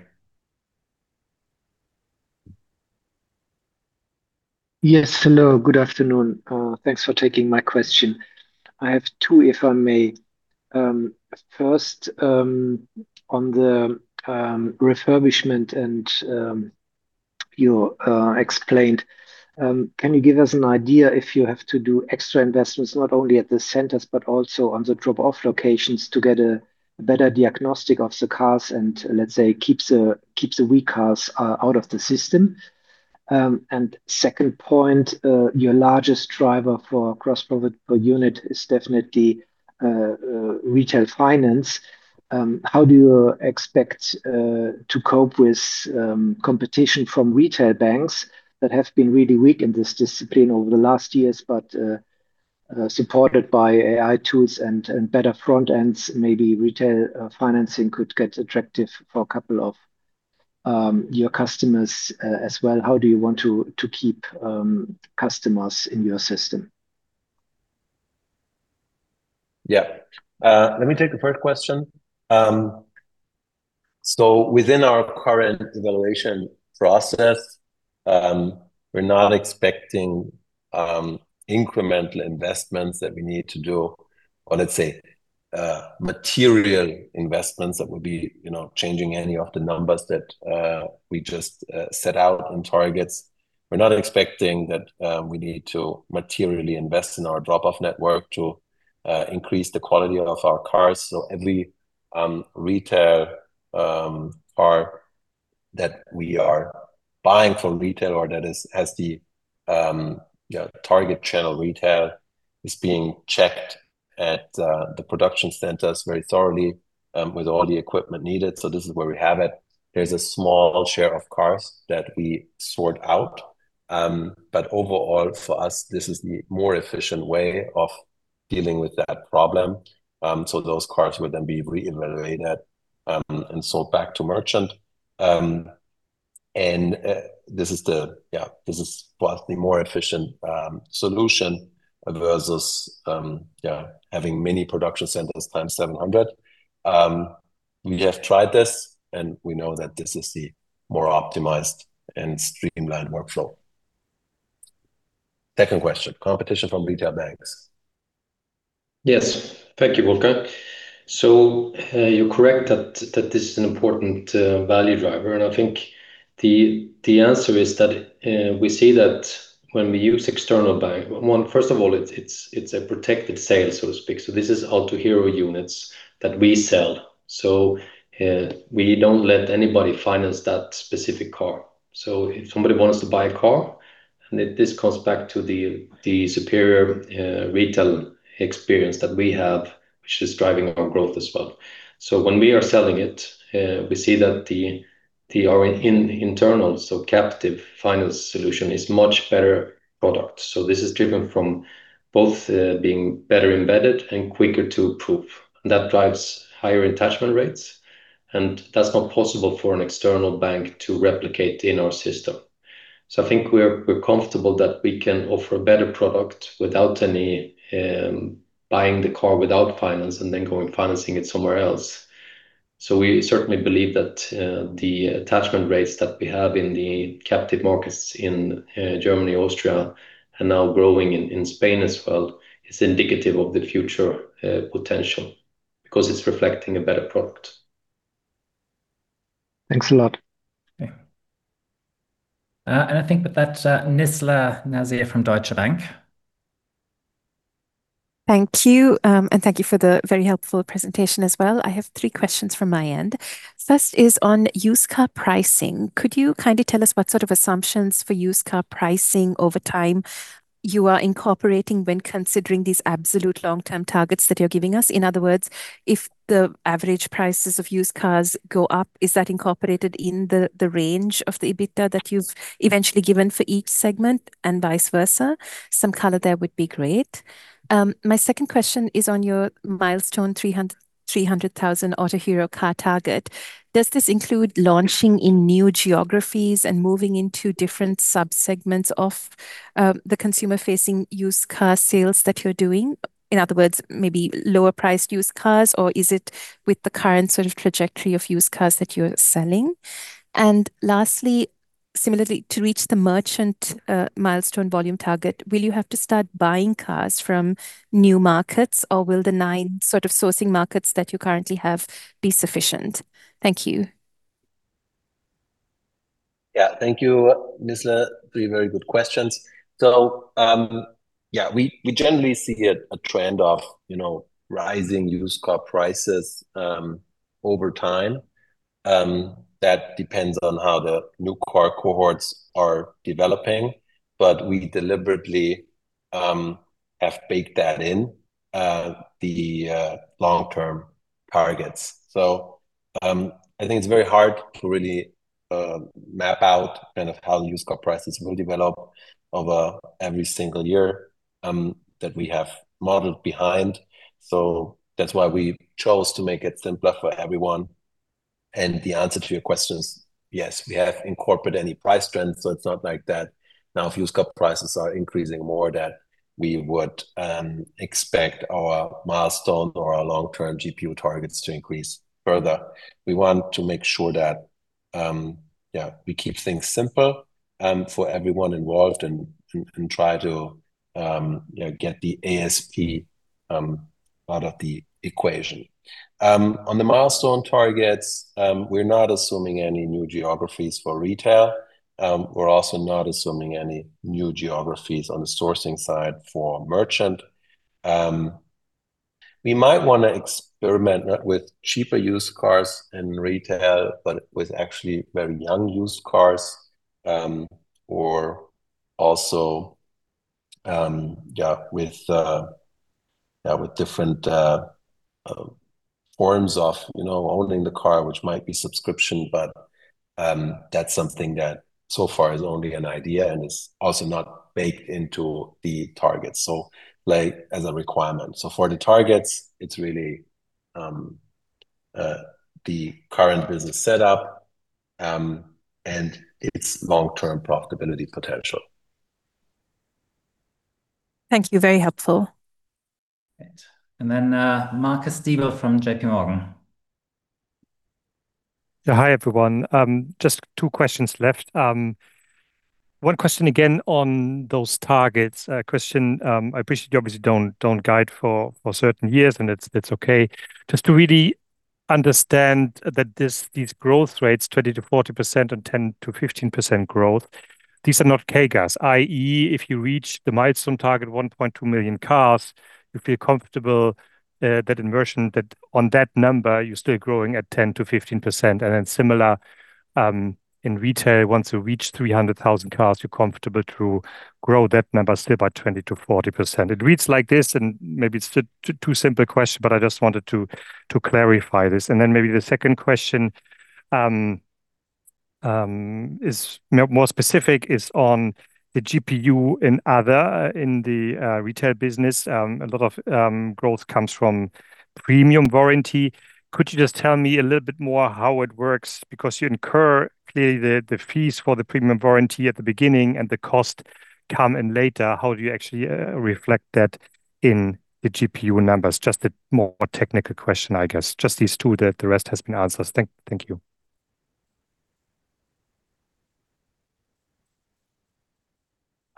Yes, hello. Good afternoon. Thanks for taking my question. I have two, if I may. First, on the refurbishment and you explained, can you give us an idea if you have to do extra investments not only at the centers but also on the drop-off locations to get a better diagnostic of the cars and, let's say, keep the weak cars out of the system? Second point, your largest driver for gross profit per unit is definitely retail finance. How do you expect to cope with competition from retail banks that have been really weak in this discipline over the last years, but supported by AI tools and better front ends, maybe retail financing could get attractive for a couple of your customers as well. How do you want to keep customers in your system? Let me take the first question. Within our current evaluation process, we're not expecting incremental investments that we need to do or let's say, material investments that would be changing any of the numbers that we just set out on targets. We're not expecting that we need to materially invest in our drop-off network to increase the quality of our cars. Every retail car that we are buying from retail or that has the target channel retail is being checked at the production centers very thoroughly with all the equipment needed. This is where we have it. There's a small share of cars that we sort out. Overall, for us, this is the more efficient way of dealing with that problem. Those cars would then be re-evaluated, and sold back to merchant. This is vastly more efficient solution versus having many production centers times 700. We have tried this, and we know that this is the more optimized and streamlined workflow. Second question, competition from retail banks. Yes. Thank you, Wolfgang. You're correct that this is an important value driver. I think the answer is that we see that when we use external bank, one, first of all, it's a protected sale, so to speak. This is Autohero units that we sell. We don't let anybody finance that specific car. If somebody wants to buy a car, and this comes back to the superior retail experience that we have, which is driving our growth as well. When we are selling it, we see that our internal, captive finance solution is much better product. This is driven from both being better embedded and quicker to approve. That drives higher attachment rates, and that's not possible for an external bank to replicate in our system. I think we're comfortable that we can offer a better product without any buying the car without finance and then going financing it somewhere else. We certainly believe that the attachment rates that we have in the captive markets in Germany, Austria, and now growing in Spain as well, is indicative of the future potential because it's reflecting a better product. Thanks a lot. Okay. I think with that, Nizla Naizer from Deutsche Bank. Thank you. Thank you for the very helpful presentation as well. I have three questions from my end. First is on used car pricing. Could you kindly tell us what sort of assumptions for used car pricing over time you are incorporating when considering these absolute long-term targets that you're giving us? In other words, if the average prices of used cars go up, is that incorporated in the range of the EBITDA that you've eventually given for each segment and vice versa? Some color there would be great. My second question is on your milestone 300,000 Autohero car target. Does this include launching in new geographies and moving into different sub-segments of the consumer-facing used car sales that you're doing? In other words, maybe lower priced used cars, or is it with the current sort of trajectory of used cars that you're selling? Lastly, similarly, to reach the merchant milestone volume target, will you have to start buying cars from new markets or will the nine sort of sourcing markets that you currently have be sufficient? Thank you. Thank you, Nizla. Three very good questions. We generally see a trend of rising used car prices over time. That depends on how the new car cohorts are developing, we deliberately have baked that in the long-term targets. I think it's very hard to really map out how used car prices will develop over every single year that we have modeled behind. That's why we chose to make it simpler for everyone. The answer to your question is yes, we have incorporated any price trends, it's not like that now used car prices are increasing more that we would expect our milestone or our long-term GPU targets to increase further. We want to make sure that we keep things simple for everyone involved and try to get the ASP out of the equation. On the milestone targets, we're not assuming any new geographies for retail. We're also not assuming any new geographies on the sourcing side for merchant. We might want to experiment not with cheaper used cars in retail, but with actually very young used cars, or also with different forms of holding the car, which might be subscription, but that's something that so far is only an idea and is also not baked into the target as a requirement. For the targets, it's really the current business set up, and its long-term profitability potential. Thank you. Very helpful. Great. Then Marcus Diebel from J.P. Morgan. Hi, everyone. Just two questions left. One question again on those targets. Christian, I appreciate you obviously don't guide for certain years, and it's okay. Just to really understand that these growth rates, 20%-40% and 10%-15% growth, these are not CAGR, i.e., if you reach the milestone target 1.2 million cars, you feel comfortable that inversion that on that number, you're still growing at 10%-15%. Then similar in retail, once you reach 300,000 cars, you're comfortable to grow that number still by 20%-40%. It reads like this, and maybe it's a too simple question, but I just wanted to clarify this. Then maybe the second question is more specific is on the GPU in other, in the retail business. A lot of growth comes from premium warranty. Could you just tell me a little bit more how it works? Because you incur clearly the fees for the premium warranty at the beginning and the cost come in later. How do you actually reflect that in the GPU numbers? Just a more technical question, I guess. Just these two, the rest has been answered. Thank you.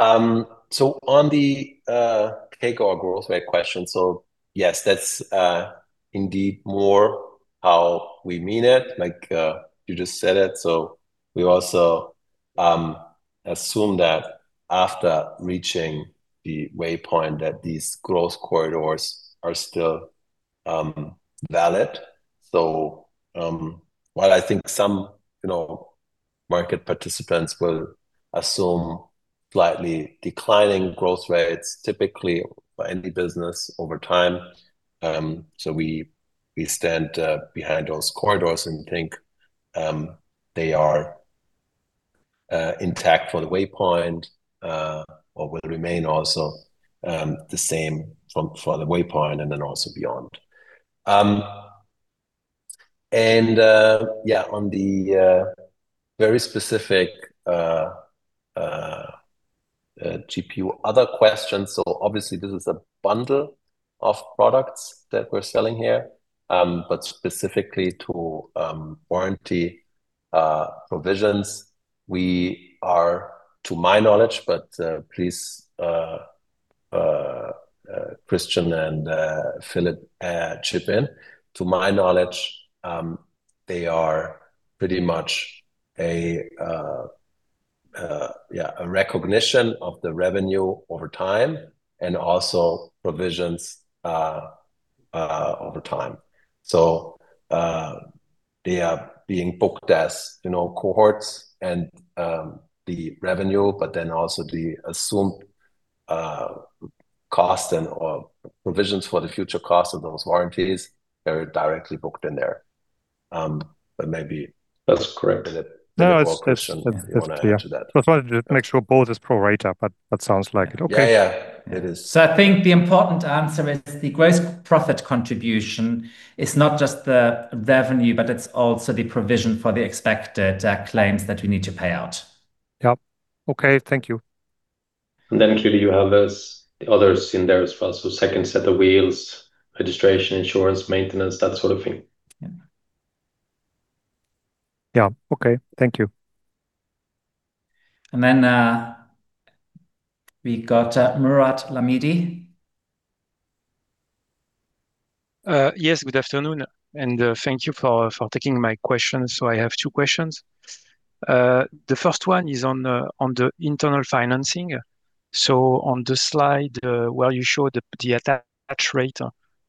On the CAGR growth rate question, yes, that's indeed more how we mean it, like you just said it. We also assume that after reaching the waypoint, that these growth corridors are still valid. While I think some market participants will assume slightly declining growth rates typically by any business over time, we stand behind those corridors and think they are intact for the waypoint or will remain also the same for the waypoint and then also beyond. On the very specific GPU, other questions, obviously this is a bundle of products that we're selling here. But specifically to warranty provisions, we are, to my knowledge, but please, Christian and Philip chip in. To my knowledge, they are pretty much a recognition of the revenue over time and also provisions over time. They are being booked as cohorts and the revenue, also the assumed cost and provisions for the future cost of those warranties are directly booked in there. That's correct. Philip, a follow-up question if you want to add to that. No, it's clear. I just wanted to make sure both is pro rata, but that sounds like it. Okay. Yeah. It is. I think the important answer is the gross profit contribution is not just the revenue, but it's also the provision for the expected claims that we need to pay out. Yep. Okay. Thank you. Clearly you have those others in there as well. Second set of wheels, registration, insurance, maintenance, that sort of thing. Yeah. Okay. Thank you. Then we got [Mourad Lallami]. Yes, good afternoon, and thank you for taking my question. I have two questions. The first one is on the internal financing. On the slide where you show the attach rate,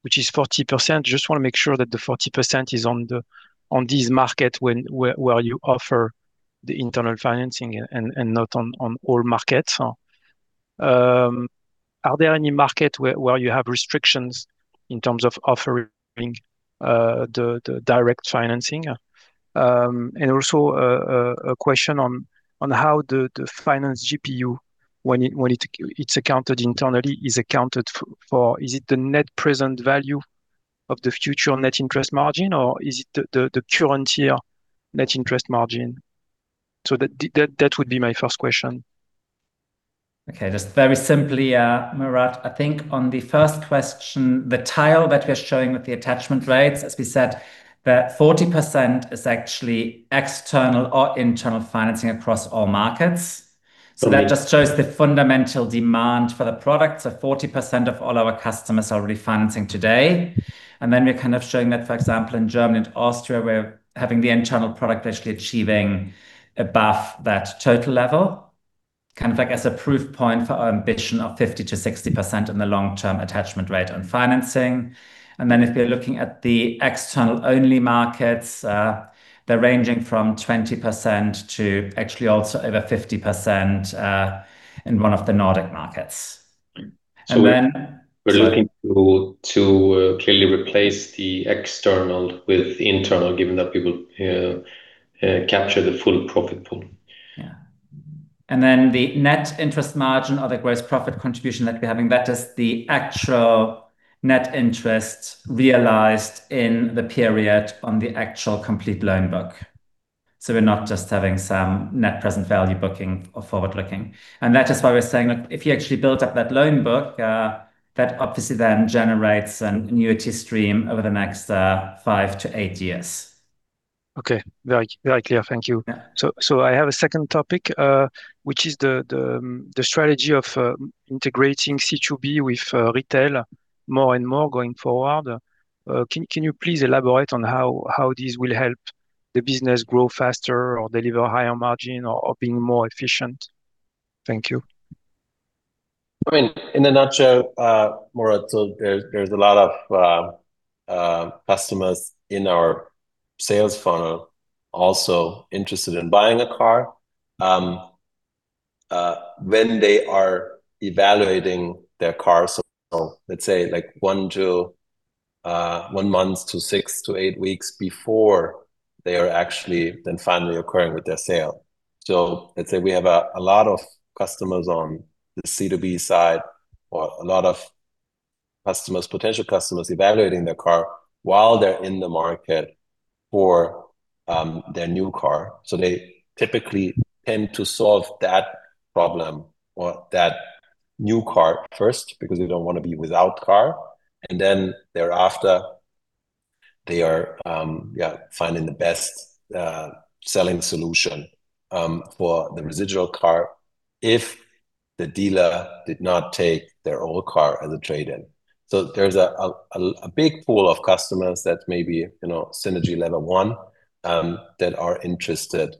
which is 40%, just want to make sure that the 40% is on these market where you offer the internal financing and not on all markets. Are there any market where you have restrictions in terms of offering the direct financing? And also a question on how the financed GPU, when it's accounted internally, is accounted for. Is it the net present value of the future net interest margin, or is it the current year net interest margin? That would be my first question. Okay. Just very simply, [Murat], I think on the first question, the tile that we're showing with the attachment rates, as we said, that 40% is actually external or internal financing across all markets. Okay. That just shows the fundamental demand for the product. 40% of all our customers are already financing today. We're kind of showing that, for example, in Germany and Austria, we're having the internal product actually achieving above that total level, kind of like as a proof point for our ambition of 50%-60% in the long-term attachment rate on financing. If we're looking at the external-only markets, they're ranging from 20% to actually also over 50% in one of the Nordic markets. We're looking to clearly replace the external with internal, given that we will capture the full profit pool. Yeah. The net interest margin or the gross profit contribution that we're having, that is the actual net interest realized in the period on the actual complete loan book. We're not just having some net present value booking or forward-looking. That is why we're saying, like, if you actually built up that loan book, that obviously then generates an annuity stream over the next five to eight years. Okay. Very clear. Thank you. Yeah. I have a second topic, which is the strategy of integrating C2B with retail more and more going forward. Can you please elaborate on how this will help the business grow faster or deliver higher margin or being more efficient? Thank you. I mean, in a nutshell, Mourad, there's a lot of customers in our sales funnel also interested in buying a car. When they are evaluating their car, let's say one month to six to eight weeks before they are actually then finally occurring with their sale. Let's say we have a lot of customers on the C2B side or a lot of potential customers evaluating their car while they're in the market for their new car. They typically tend to solve that problem or that new car first because they don't want to be without car, and then thereafter they are, yeah, finding the best selling solution for the residual car if the dealer did not take their old car as a trade-in. There's a big pool of customers that may be synergy level 1, that are interested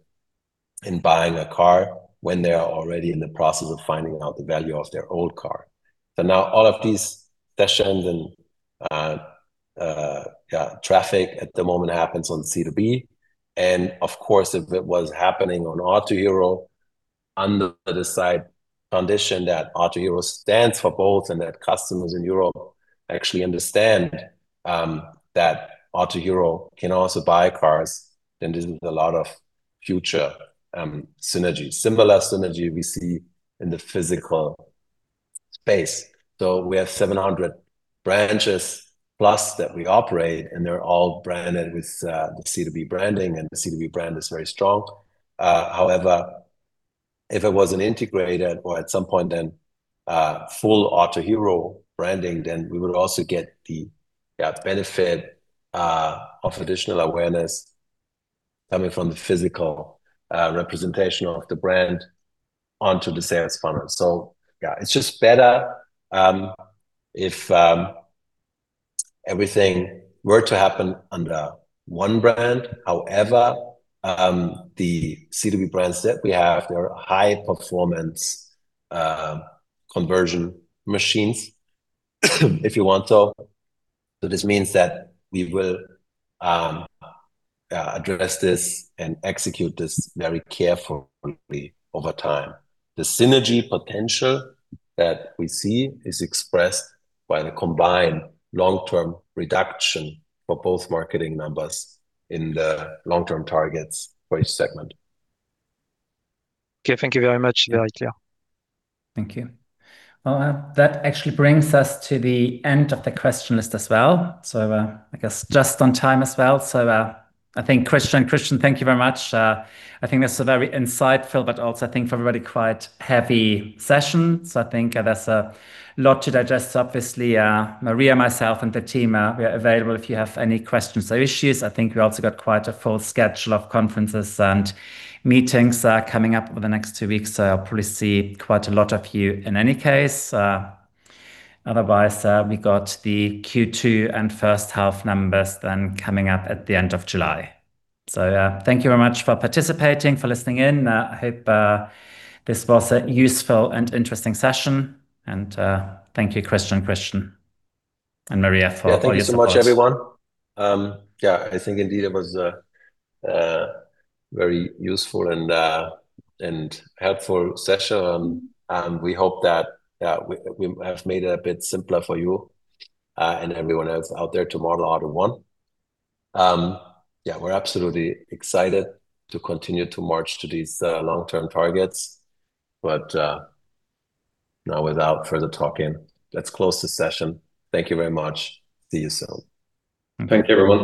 in buying a car when they are already in the process of finding out the value of their old car. Now all of these sessions and traffic at the moment happens on C2B. Of course, if it was happening on Autohero, under the side condition that Autohero stands for both and that customers in Europe actually understand that Autohero can also buy cars, then there's a lot of future synergy. Similar synergy we see in the physical space. We have 700 branches plus that we operate, and they're all branded with the C2B branding, and the C2B brand is very strong. However, if it wasn't integrated or at some point then full Autohero branding, then we would also get the benefit of additional awareness coming from the physical representation of the brand onto the sales funnel. Yeah, it's just better if everything were to happen under one brand. However, the C2B brands that we have, they're high-performance conversion machines if you want so. This means that we will address this and execute this very carefully over time. The synergy potential that we see is expressed by the combined long-term reduction for both marketing numbers in the long-term targets for each segment. Okay. Thank you very much. Very clear. Thank you. Well, that actually brings us to the end of the question list as well. I guess just on time as well. I think Christian, thank you very much. I think that's a very insightful but also, I think, for everybody, quite heavy session. I think there's a lot to digest. Obviously, Maria, myself, and the team, we are available if you have any questions or issues. I think we also got quite a full schedule of conferences and meetings coming up over the next two weeks, so I'll probably see quite a lot of you in any case. Otherwise, we got the Q2 and first half numbers then coming up at the end of July. Thank you very much for participating, for listening in. I hope this was a useful and interesting session. Thank you, Christian and Maria, for all your support. Yeah. Thank you so much, everyone. I think indeed it was a very useful and helpful session. We hope that we have made it a bit simpler for you and everyone else out there to model AUTO1. We're absolutely excited to continue to march to these long-term targets. Now without further talking, let's close the session. Thank you very much. See you soon. Thank you, everyone